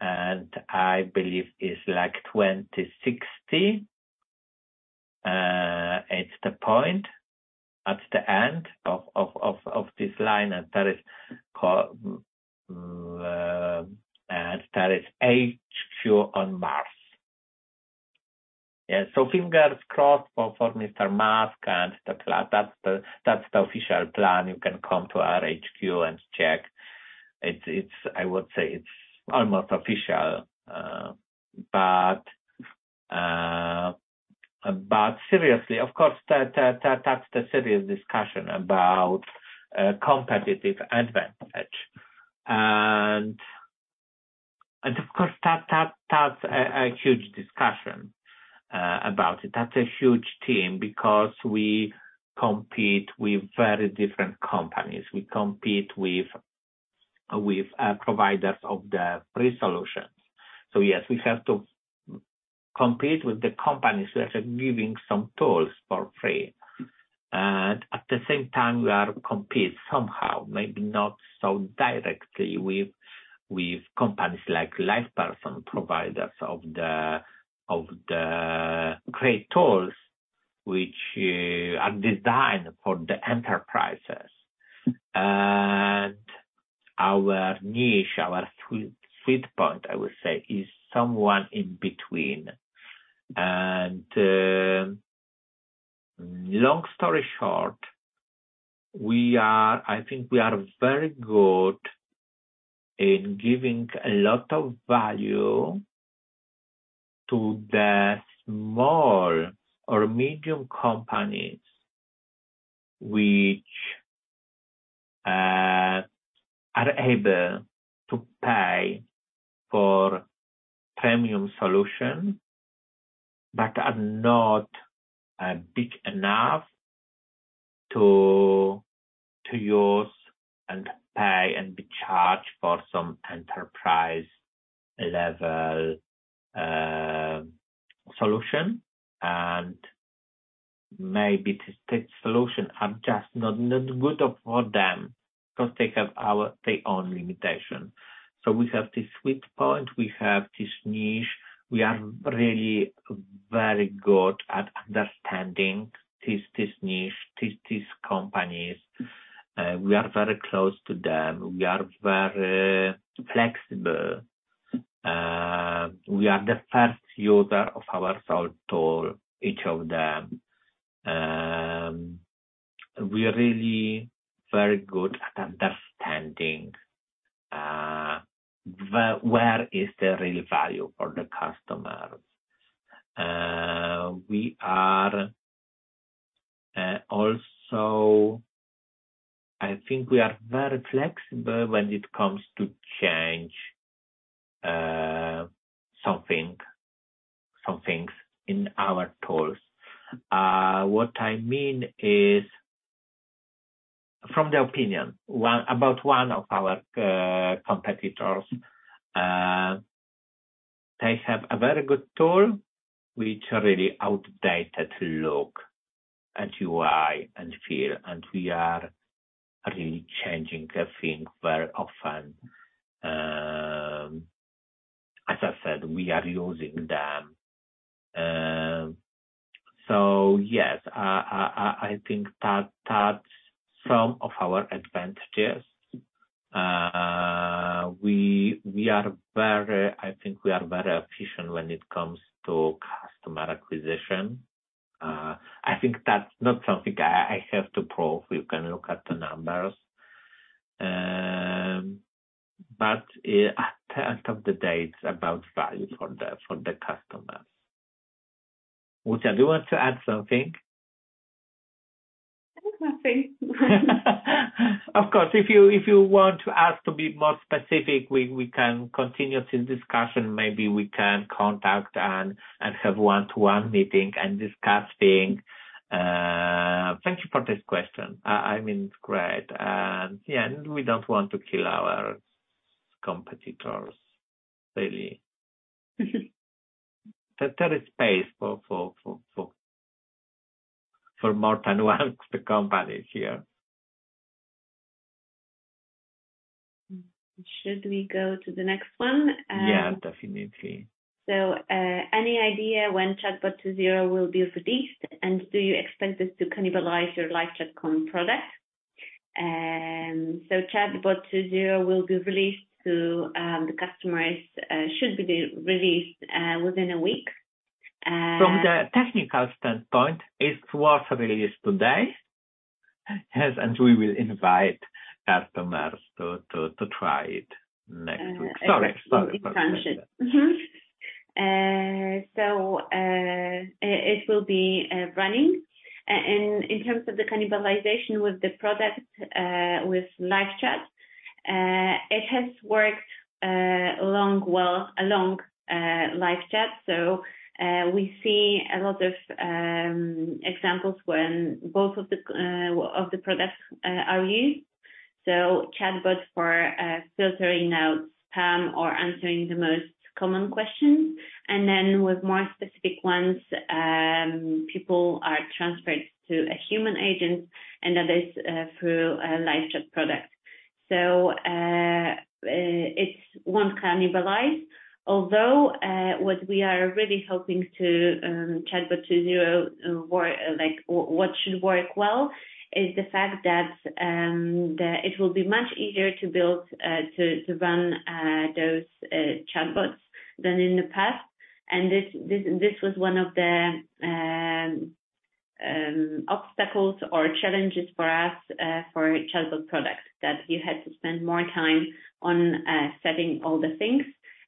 and I believe it's like 2060. It's the point at the end of this line, and there is called, there is HQ on Mars. Yeah, fingers crossed for Mr. Musk and the class. That's the official plan. You can come to our HQ and check. It's I would say it's almost official, but seriously, of course, that's the serious discussion about competitive advantage about it. That's a huge team because we compete with very different companies. We compete with providers of the free solutions. Yes, we have to compete with the companies that are giving some tools for free. At the same time, we are compete somehow, maybe not so directly with companies like LivePerson, providers of the great tools which are designed for the enterprises. Our niche, our sweet point, I would say, is someone in between. Long story short, I think we are very good in giving a lot of value to the small or medium companies, which are able to pay for premium solution, but are not big enough to use and pay and be charged for some enterprise-level solution. Maybe these solutions are just not good for them because they have their own limitation. We have this sweet point, we have this niche. We are really very good at understanding this niche, these companies. We are very close to them. We are very flexible. We are the first user of our self tool, each of them. We are really very good at understanding where is the real value for the customers. We are also. I think we are very flexible when it comes to change something, some things in our tools. What I mean is from the opinion, 1, about one of our competitors, they have a very good tool, which are really outdated look and UI and feel, and we are really changing a thing very often. As I said, we are using them. Yes, I think that's some of our advantages. I think we are very efficient when it comes to customer acquisition. I think that's not something I have to prove. You can look at the numbers. At the end of the day, it's about value for the, for the customers. Lucja, do you want to add something? I think nothing. Of course, if you want to ask to be more specific, we can continue this discussion. Maybe we can contact and have one-to-one meeting and discussing. Thank you for this question. I mean, it's great. Yeah, we don't want to kill our competitors, really. There is space for more than one company here. Should we go to the next one? Yeah, definitely. Any idea when ChatBot 2.0 will be released, and do you expect this to cannibalize your LiveChat Inc. product? ChatBot 2.0 will be released to the customers, should be re-released within a week. From the technical standpoint, it's worth released today. Yes, we will invite customers to try it next week. Sorry about that. It will be running. In terms of the cannibalization with the product, with LiveChat, it has worked along well, along LiveChat. We see a lot of examples when both of the products are used. Chatbot for filtering out spam or answering the most common questions. With more specific ones, people are transferred to a human agent, and that is through a LiveChat product. It's one cannibalize, although what we are really hoping to ChatBot 2.0 work, like, what should work well is the fact that It will be much easier to build, to run those chatbots than in the past. This was one of the obstacles or challenges for us, for chatbot products, that you had to spend more time on, setting all the things,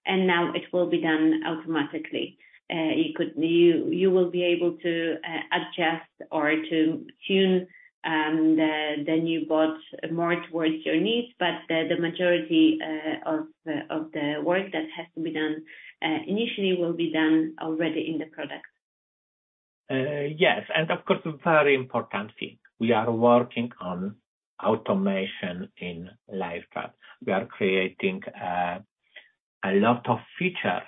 and now it will be done automatically. You will be able to adjust or to tune the new bot more towards your needs, but the majority of the work that has to be done initially will be done already in the product. Yes, of course, a very important thing, we are working on automation in LiveChat. We are creating a lot of features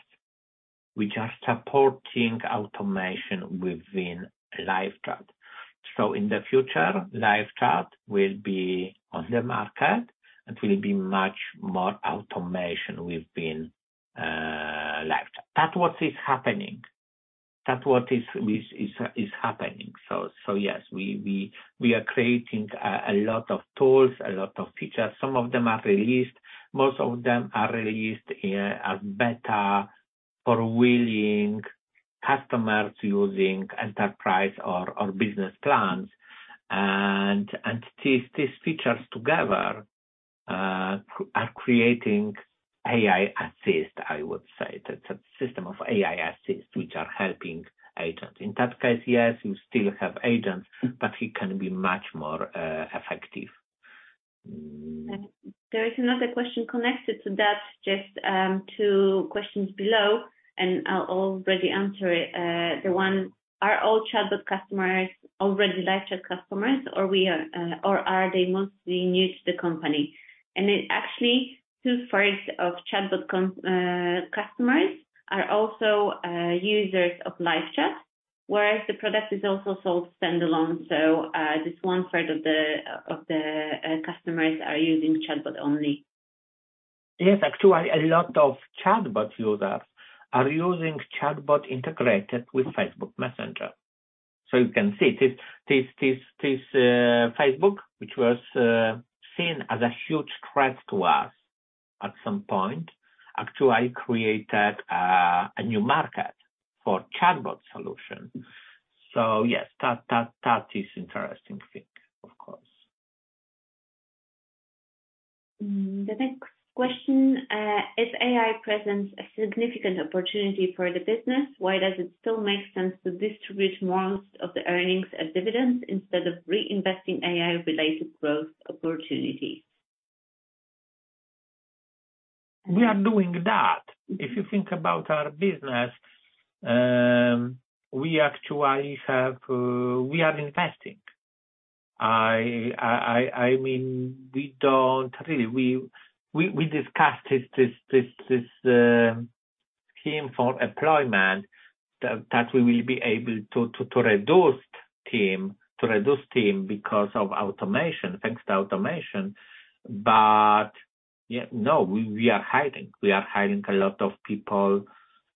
which are supporting automation within LiveChat. In the future, LiveChat will be on the market, and will be much more automation within LiveChat. That what is happening. That what is happening. Yes, we are creating a lot of tools, a lot of features. Some of them are released, most of them are released as beta for willing customers using enterprise or business plans. These features together are creating AI Assist, I would say. That's a system of AI Assist, which are helping agents. In that case, yes, you still have agents, but he can be much more effective. There is another question connected to that, just, two questions below. I'll already answer it. The one, are all ChatBot customers already LiveChat customers, or are they mostly new to the company? Actually, 2/3 of ChatBot customers are also users of LiveChat, whereas the product is also sold standalone. This one third of the customers are using ChatBot only. Actually, a lot of chatbot users are using chatbot integrated with Facebook Messenger. You can see this Facebook, which was seen as a huge threat to us at some point, actually created a new market for chatbot solution. That is interesting thing, of course. The next question, if AI presents a significant opportunity for the business, why does it still make sense to distribute most of the earnings as dividends instead of reinvesting AI-related growth opportunities? We are doing that. If you think about our business, we actually have, we are investing. We discussed this scheme for employment, that we will be able to reduce team because of automation, thanks to automation. Yeah, no, we are hiring. We are hiring a lot of people.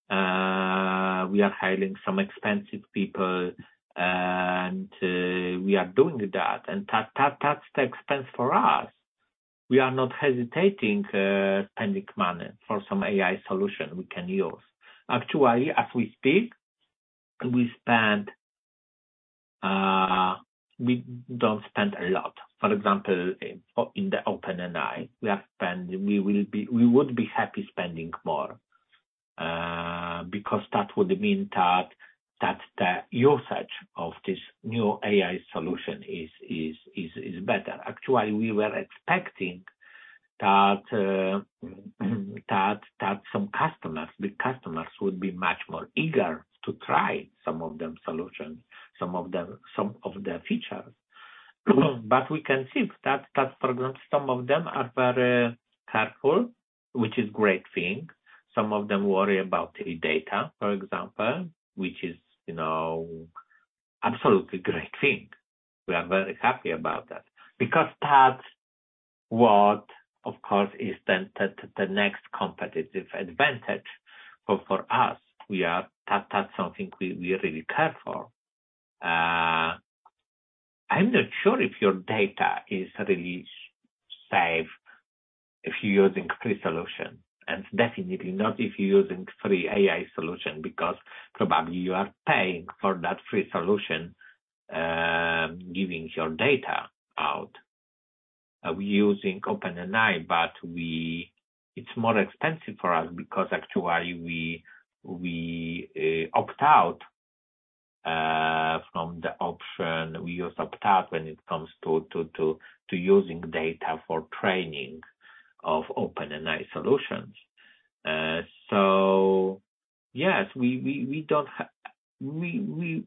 We are hiring some expensive people, and we are doing that, and that's the expense for us. We are not hesitating, spending money for some AI solution we can use. Actually, as we speak, we spend, we don't spend a lot. For example, in the OpenAI, we would be happy spending more because that would mean that the usage of this new AI solution is better. Actually, we were expecting that some customers, the customers would be much more eager to try some of them solutions, some of the features. We can see that for example, some of them are very careful, which is great thing. Some of them worry about the data, for example, which is, you know, absolutely great thing. We are very happy about that because that's what, of course, is then the next competitive advantage for us. That's something we really care for. I'm not sure if your data is really safe if you're using free solution, and definitely not if you're using free AI solution, because probably you are paying for that free solution, giving your data out. We're using OpenAI, but it's more expensive for us because actually we opt out from the option. We use opt out when it comes to using data for training of OpenAI solutions. Yes, we don't ha-- we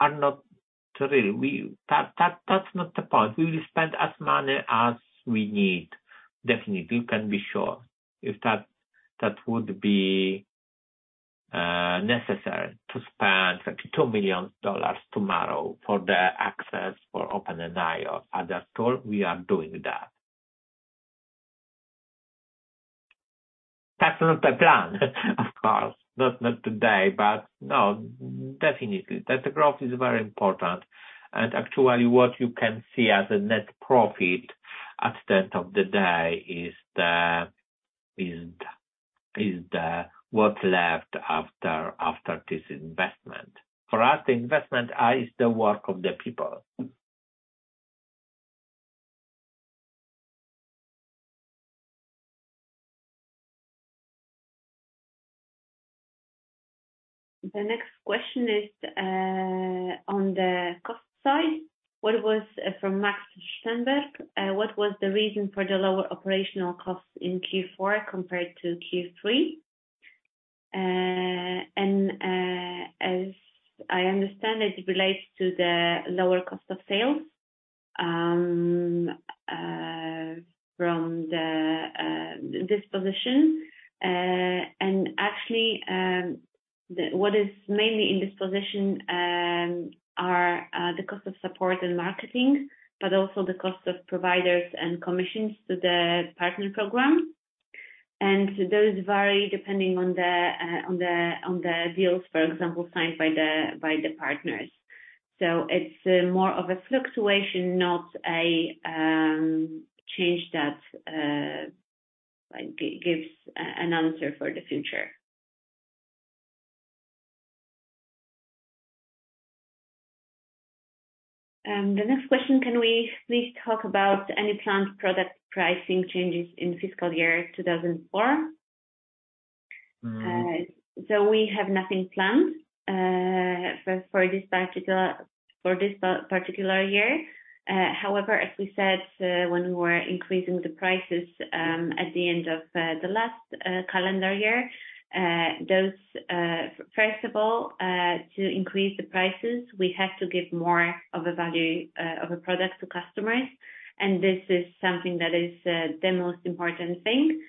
are not really, we... That's not the point. We will spend as money as we need. Definitely, you can be sure if that would be necessary to spend like $2 million tomorrow for the access for OpenAI or other tool, we are doing that. That's not the plan, of course, not today, but no, definitely, that growth is very important. Actually, what you can see as a net profit at the end of the day is the what's left after this investment. For us, the investment is the work of the people. The next question is on the cost side. What was from Max Steinberg, what was the reason for the lower operational costs in Q4 compared to Q3? As I understand, it relates to the lower cost of sales from the disposition. Actually, what is mainly in disposition are the cost of support and marketing, but also the cost of providers and commissions to the partner program. Those vary depending on the on the on the deals, for example, signed by the by the partners. It's more of a fluctuation, not a change that like gives an answer for the future. The next question, can we please talk about any planned product pricing changes in fiscal year 2004? We have nothing planned for this particular year. However, as we said, when we were increasing the prices, at the end of the last calendar year, those. First of all, to increase the prices, we have to give more of a value of a product to customers, and this is something that is the most important thing.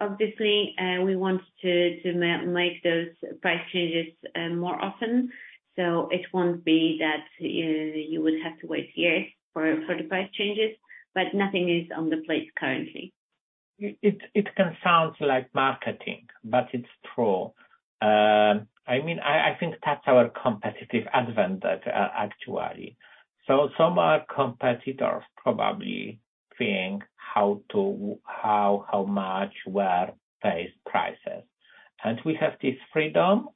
Obviously, we want to make those price changes more often. It won't be that you would have to wait years for the price changes, but nothing is on the place currently. It can sound like marketing, but it's true. I mean, I think that's our competitive advantage, actually. Some of our competitors probably think how much we're prices. We have this freedom,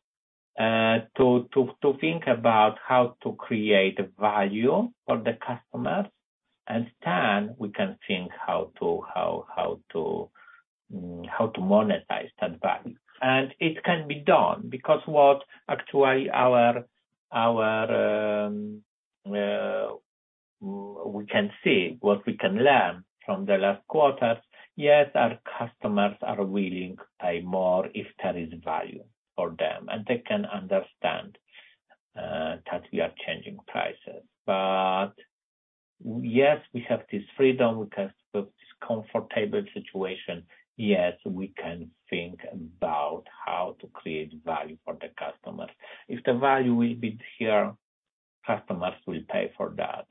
to think about how to create value for the customers, and then we can think how to monetize that value. It can be done because what actually our, we can see, what we can learn from the last quarters, yes, our customers are willing to pay more if there is value for them, and they can understand that we are changing prices. Yes, we have this freedom, we have this comfortable situation. Yes, we can think about how to create value for the customers. If the value will be there, customers will pay for that.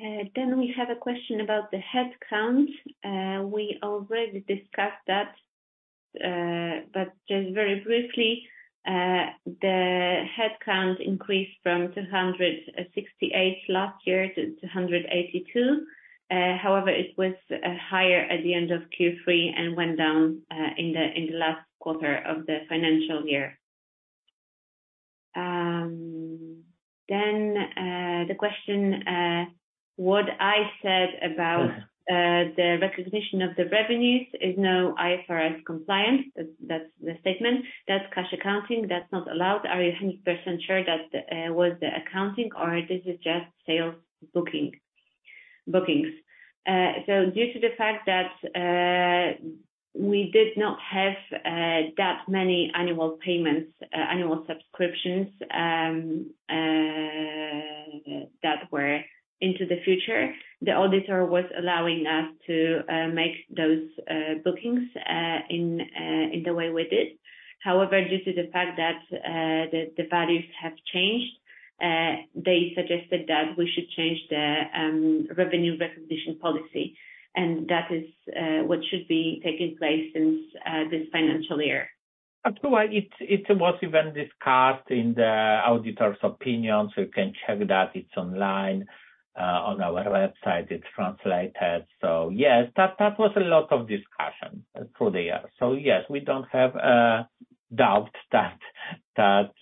We have a question about the headcount. We already discussed that, but just very briefly, the headcount increased from 268 last year to 282. However, it was higher at the end of Q3 and went down in the last quarter of the financial year. The question, what I said about. The recognition of the revenues is no IFRS compliance. That's the statement. That's cash accounting. That's not allowed. Are you 100% sure that was the accounting or this is just sales bookings? Due to the fact that we did not have that many annual payments, annual subscriptions that were into the future, the auditor was allowing us to make those bookings in the way we did. However, due to the fact that the values have changed, they suggested that we should change the revenue recognition policy, and that is what should be taking place since this financial year. Actually, it was even discussed in the auditor's opinion, so you can check that. It's online on our website. It's translated. Yes, that was a lot of discussion through the year. Yes, we don't have doubt that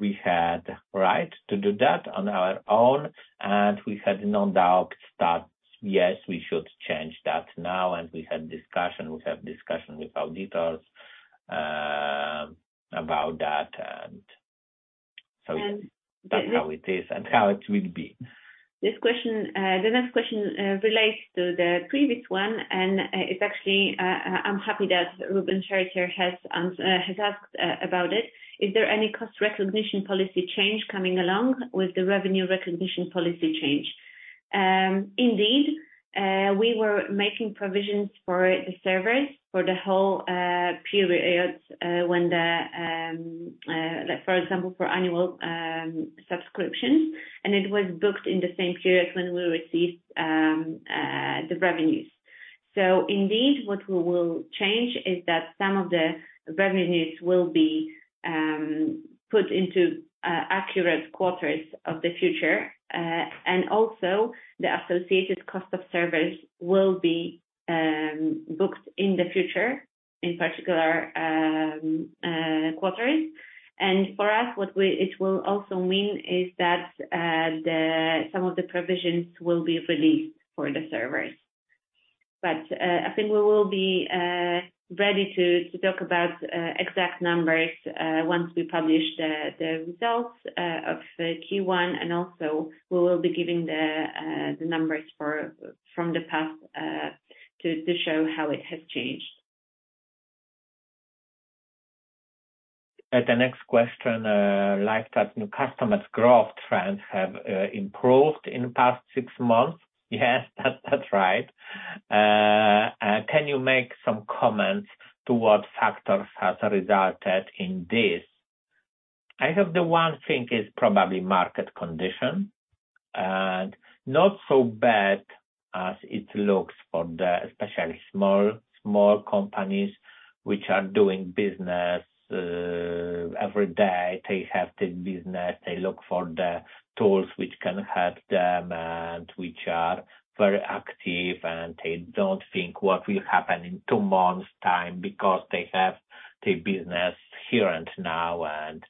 we had right to do that on our own, and we had no doubt that, yes, we should change that now. We had discussion, we have discussion with auditors about that. That's how it is and how it will be. This question, the next question, relates to the previous one, and it's actually I'm happy that Ruben Chariter has asked about it. Is there any cost recognition policy change coming along with the revenue recognition policy change? Indeed, we were making provisions for the service for the whole period, when the, like, for example, for annual subscriptions, and it was booked in the same period when we received the revenues. Indeed, what we will change is that some of the revenues will be put into accurate quarters of the future, and also the associated cost of service will be booked in the future, in particular, quarters. For us, what it will also mean is that the some of the provisions will be released for the servers. I think we will be ready to talk about exact numbers once we publish the results of the Q1, and also we will be giving the numbers from the past to show how it has changed. The next question, LiveChat new customers growth trends have improved in the past six months? Yes, that's right. Can you make some comments to what factors has resulted in this? I think the one thing is probably market condition, not so bad as it looks for the especially small companies which are doing business. Every day, they have the business, they look for the tools which can help them, which are very active, they don't think what will happen in two months' time because they have the business here and now,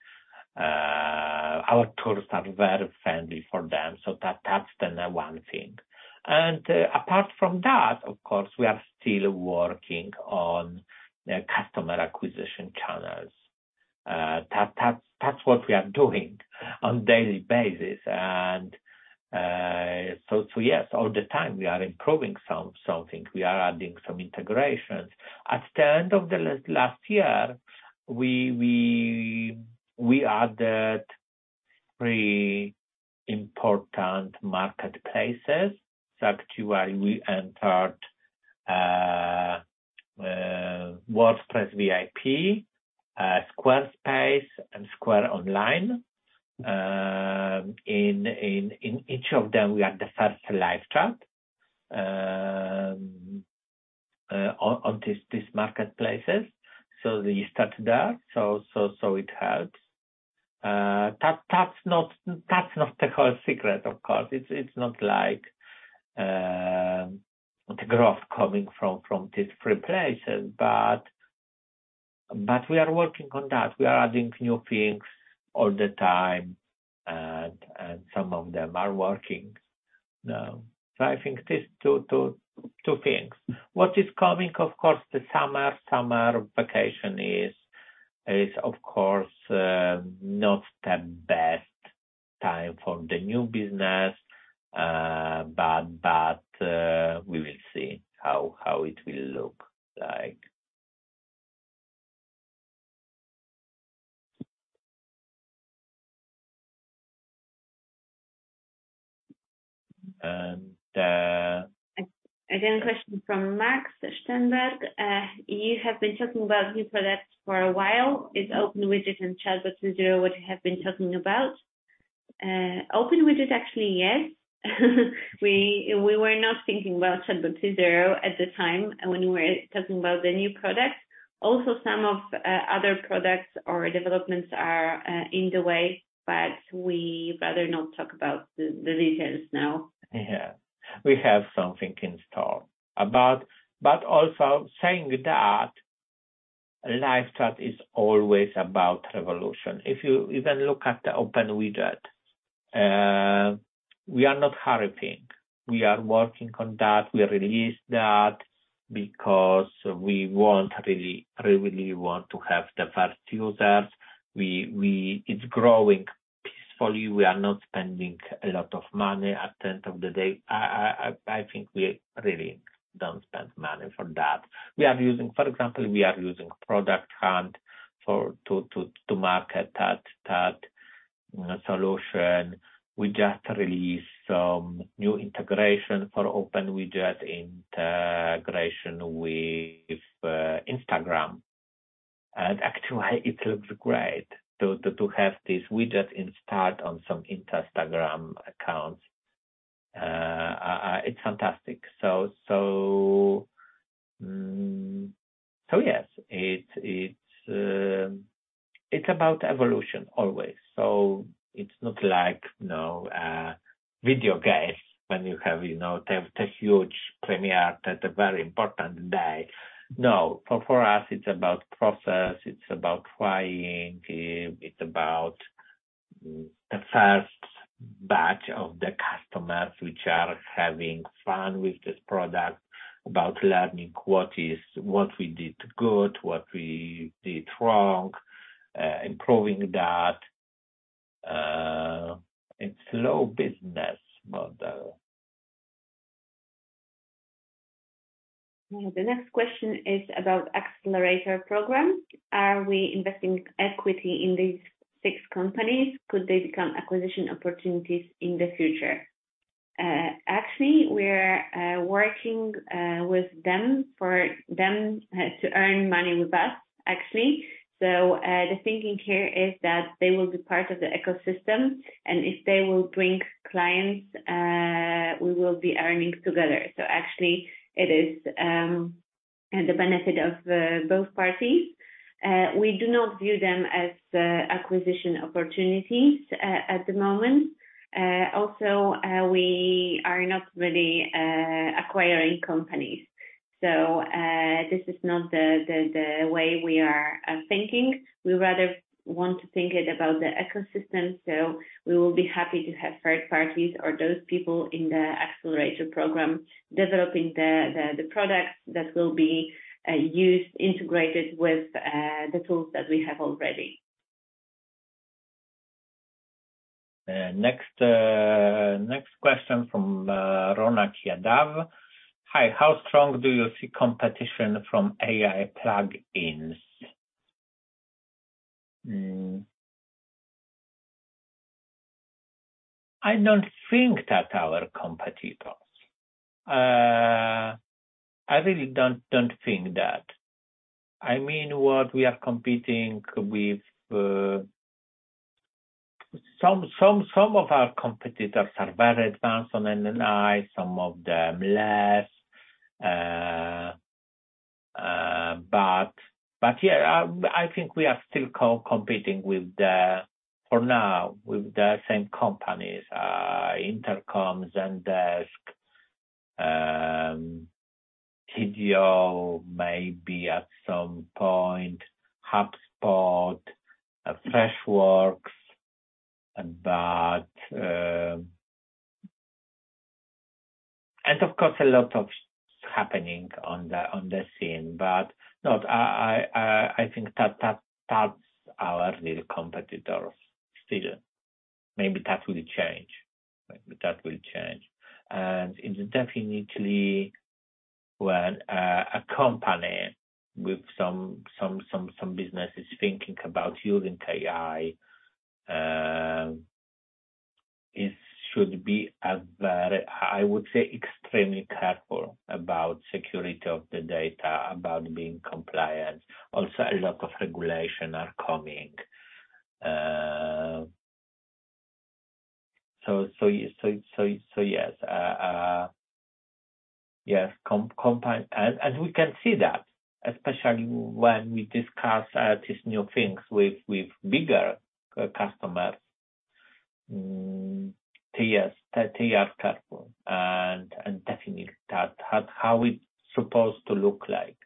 our tools are very friendly for them. That's the one thing. Apart from that, of course, we are still working on the customer acquisition channels. That's what we are doing on daily basis. Yes, all the time we are improving something. We are adding some integrations. At the end of the last year, we added three important marketplaces. Actually, we entered WordPress VIP, Squarespace, and Square Online. In each of them, we are the first LiveChat on these marketplaces, so it helps. That's not the whole secret, of course. It's not like the growth coming from these three places, but we are working on that. We are adding new things all the time, and some of them are working now. I think these two things. What is coming, of course, the summer. Summer vacation is, of course, not the best time for the new business, but we will see how it will look like. A question from Max Steinberg. You have been talking about new products for a while. Is OpenWidget and ChatBot 2.0 what you have been talking about? OpenWidget, actually, yes. We were not thinking about ChatBot 2.0 at the time when we were talking about the new product. Also, some of other products or developments are in the way, but we better not talk about the details now. Yeah. We have something in store. Also saying that, LiveChat is always about revolution. If you even look at the OpenWidget, we are not hurrying. We are working on that. We released that because we really want to have the first users. It's growing peacefully. We are not spending a lot of money. At the end of the day, I think we really don't spend money for that. We are using. For example, we are using Product Hunt for, to market that solution. We just released some new integration for OpenWidget, integration with Instagram. Actually, it looks great to have this widget installed on some Instagram accounts. It's fantastic. Yes, it's about evolution always. It's not like, you know, video games, when you have, you know, the huge premiere at a very important day. No, for us, it's about process, it's about trying, it's about the first batch of the customers which are having fun with this product, about learning what we did good, what we did wrong, improving that. It's slow business model. The next question is about accelerator program? Are we investing equity in these six companies? Could they become acquisition opportunities in the future? Actually, we're working with them, for them, to earn money with us, actually. The thinking here is that they will be part of the ecosystem, and if they will bring clients, we will be earning together. Actually, it is the benefit of both parties. We do not view them as acquisition opportunities at the moment. We are not really acquiring companies. This is not the way we are thinking. We rather want to think it about the ecosystem, we will be happy to have third parties or those people in the accelerator program developing the products that will be used, integrated with the tools that we have already. Next question from Ronak Yadav. "Hi, how strong do you see competition from AI plugins?" I don't think that are our competitors. I really don't think that. I mean, what we are competing with, some of our competitors are very advanced on NNI, some of them less. but yeah, I think we are still competing with the, for now, with the same companies, Intercom, Zendesk, Tidio maybe at some point, HubSpot, Freshworks, but... Of course, a lot of happening on the scene. No, I think that's our real competitors still. Maybe that will change. Maybe that will change. It definitely when a company with some businesses thinking about using AI, it should be a very, I would say, extremely careful about security of the data, about being compliant. Also, a lot of regulation are coming. So yes. We can see that, especially when we discuss these new things with bigger customers. They are careful, and definitely that, how it's supposed to look like.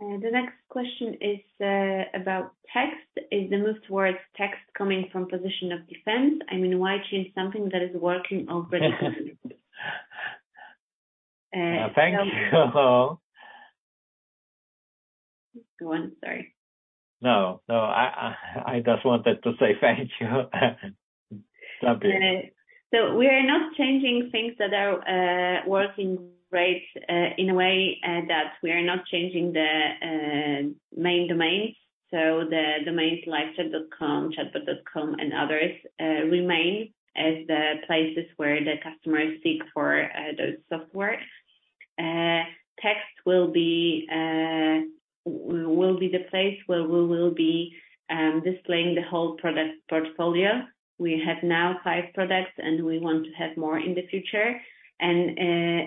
The next question is about Text. Is the move towards Text coming from position of defense? I mean, why change something that is working already? Thank you. Go on. Sorry. No, no, I just wanted to say thank you. Lovely. We are not changing things that are working great in a way that we are not changing the main domain. The domains like chat.com, chatbot.com, and others remain as the places where the customers seek for those software. Text will be the place where we will be displaying the whole product portfolio. We have now five products, and we want to have more in the future, and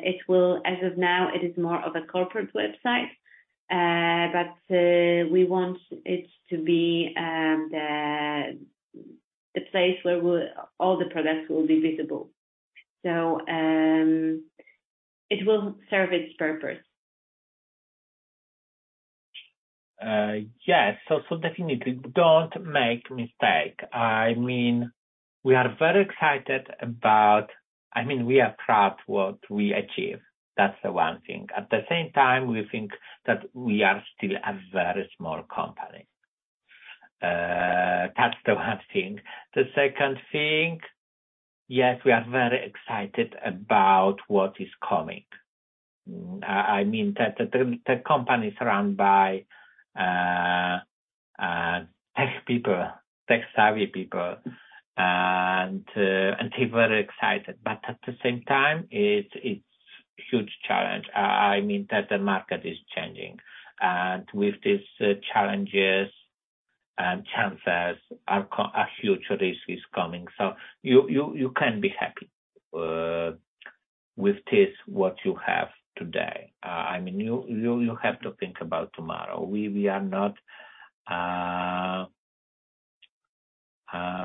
it will, as of now, it is more of a corporate website. We want it to be the place where all the products will be visible. It will serve its purpose. Yes. Definitely don't make mistake. I mean, we are very excited about. I mean, we are proud what we achieve. That's the one thing. At the same time, we think that we are still a very small company. That's the one thing. The second thing, yes, we are very excited about what is coming. I mean, the company is run by tech people, tech-savvy people, and they're very excited, but at the same time, it's huge challenge. I mean, that the market is changing, and with these challenges and chances, a huge risk is coming. You can't be happy with this, what you have today. I mean, you have to think about tomorrow. We are not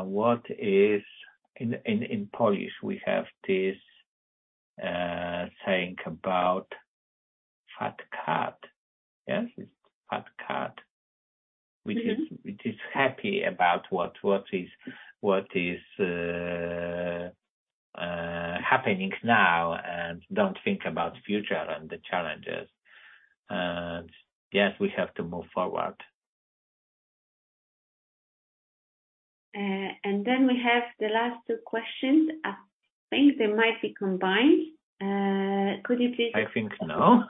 what is...In Polish, we have this saying about fat cat. Yes? Fat cat. Which is happy about what is happening now, and don't think about future and the challenges. Yes, we have to move forward. Then we have the last two questions. I think they might be combined. Could you please? I think no.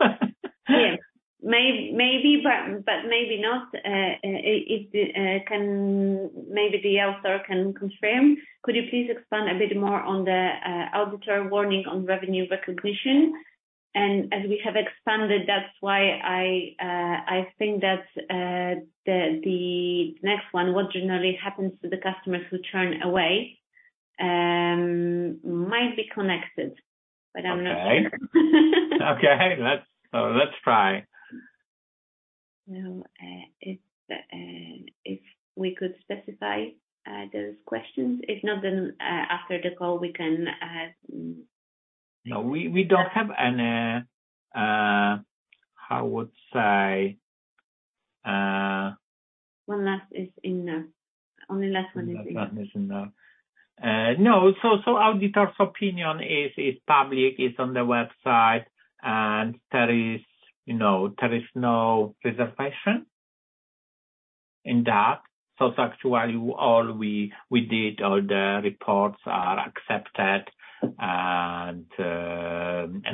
Yes. maybe, but maybe not. It can maybe the author can confirm. Could you please expand a bit more on the auditor warning on revenue recognition? As we have expanded, that's why I think that the next one, what generally happens to the customers who turn away, might be connected, but I'm not sure. Okay. Let's try. Now, if we could specify, those questions, if not, then, after the call, we can. No, we don't have any, how would say. Only last one is missing. That's missing now. Auditor's opinion is public, it's on the website, and there is, you know, there is no reservation in that. Actually, all we did, all the reports are accepted and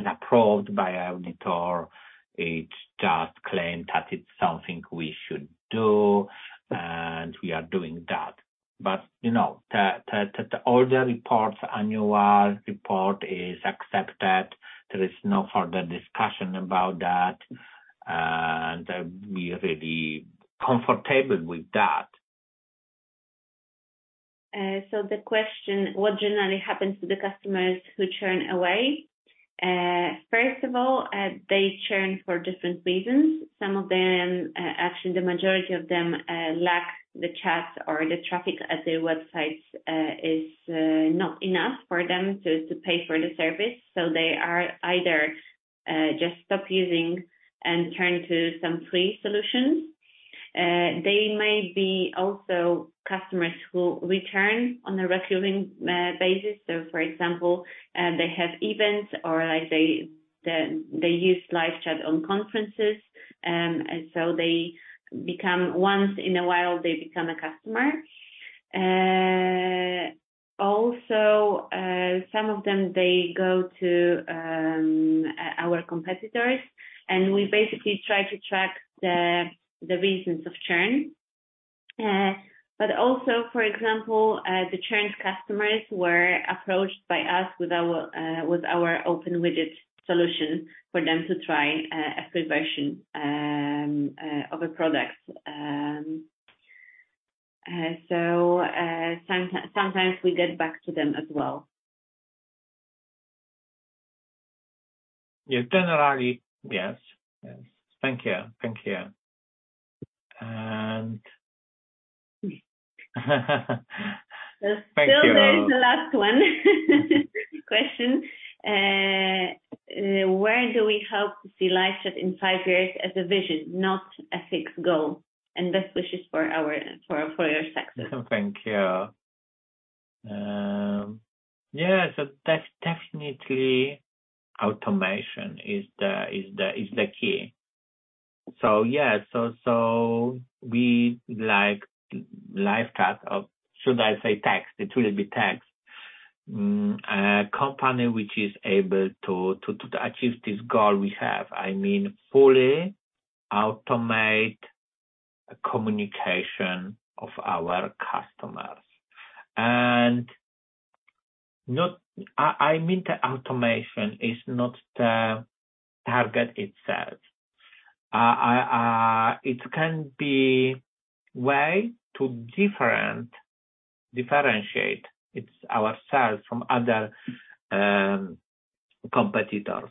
approved by our auditor. It's just claimed that it's something we should do, and we are doing that. You know, the all the reports, annual report is accepted. There is no further discussion about that, and we are really comfortable with that. The question, what generally happens to the customers who churn away? First of all, they churn for different reasons. Some of them, actually, the majority of them, lack the chat or the traffic at their websites, is not enough for them to pay for the service, so they are either just stop using and turn to some free solutions. They may be also customers who return on a recurring basis. For example, they have events or like they use LiveChat on conferences. Once in a while, they become a customer. Also, some of them, they go to our competitors, and we basically try to track the reasons of churn. Also, for example, the churned customers were approached by us with our OpenWidget solution for them to try a free version of a product. Sometimes we get back to them as well. Yeah, generally, yes. Yes. Thank you. Thank you. Thank you. There is the last one, question. Where do we hope to see LiveChat in five years as a vision, not a fixed goal? Best wishes for your success. Thank you. Yeah, that's definitely automation is the key. Yes, we like LiveChat or should I say Text? It will be Text. A company which is able to achieve this goal we have. I mean, fully automate communication of our customers. I mean, the automation is not the target itself. I, it can be way to differentiate ourselves from other competitors.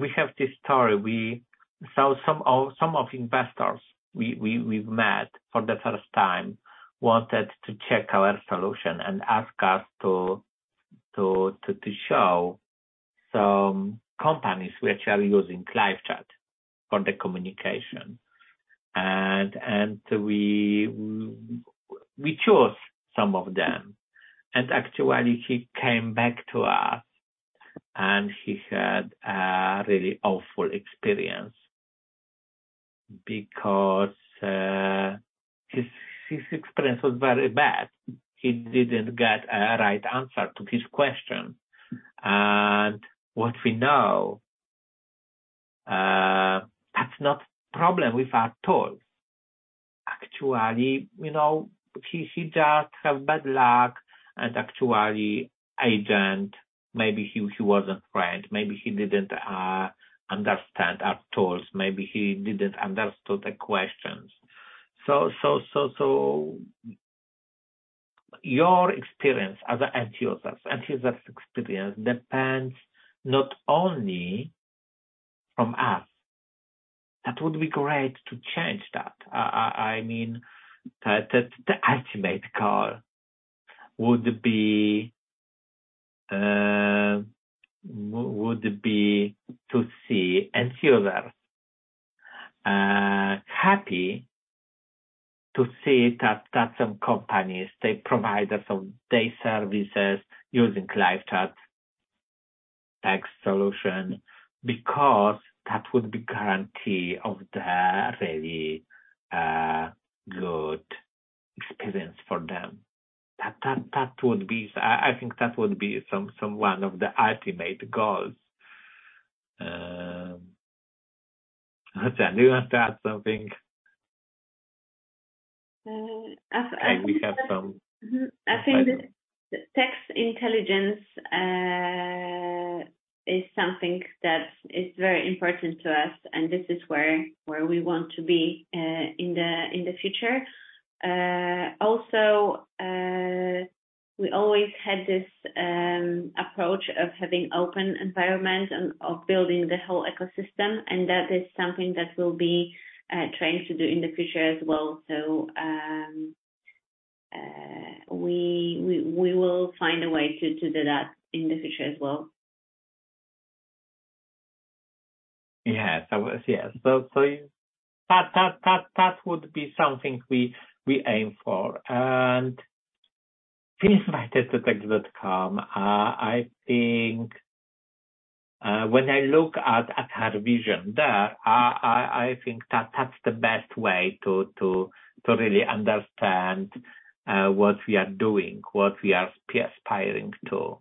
We have this story. We saw some of investors we've met for the first time, wanted to check our solution and ask us to show some companies which are using LiveChat for the communication. We chose some of them, and actually, he came back to us, and he had a really awful experience because his experience was very bad. He didn't get a right answer to his question. What we know, that's not problem with our tool. Actually, you know, he just have bad luck, and actually, agent, maybe he wasn't friend, maybe he didn't understand our tools, maybe he didn't understood the questions. Your experience as an end users experience depends not only from us. That would be great to change that. I mean, the ultimate goal would be to see end user happy to see that some companies, they provide us of their services using LiveChat Text solution, because that would be guarantee of the really, good experience for them. That would be. I think that would be some one of the ultimate goals. Lucja, do you want to add something? We have some. I think the Text Intelligence is something that is very important to us, and this is where we want to be in the future. We always had this approach of having open environment and of building the whole ecosystem, and that is something that we'll be trying to do in the future as well. We will find a way to do that in the future as well. Yes. Yes. So that would be something we aim for. Please invite us to text.com. I think when I look at our vision there, I think that's the best way to really understand what we are doing, what we are aspiring to.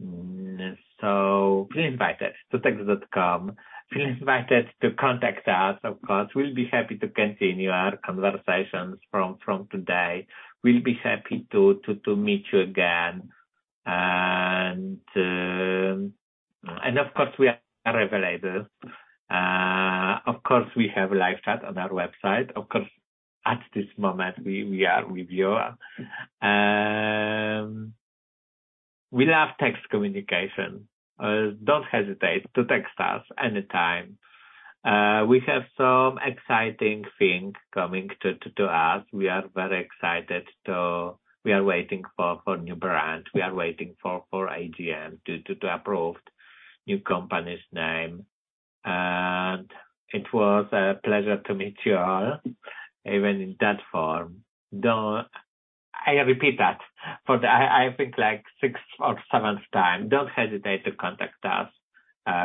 Please invite us to text.com. Please invite us to contact us, of course. We'll be happy to continue our conversations from today. We'll be happy to meet you again. Of course, we are available. Of course, we have LiveChat on our website. Of course, at this moment, we are with you. We love text communication. Don't hesitate to text us anytime. We have some exciting thing coming to us. We are very excited to, we are waiting for new brand. We are waiting for AGM to approve new company's name. It was a pleasure to meet you all, even in that form. I repeat that for the, I think, like sixth or seventh time, don't hesitate to contact us,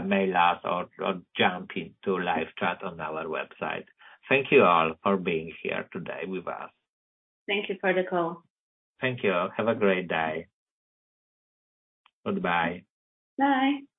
mail us, or jump into LiveChat on our website. Thank you all for being here today with us. Thank you for the call. Thank you. Have a great day. Goodbye. Bye.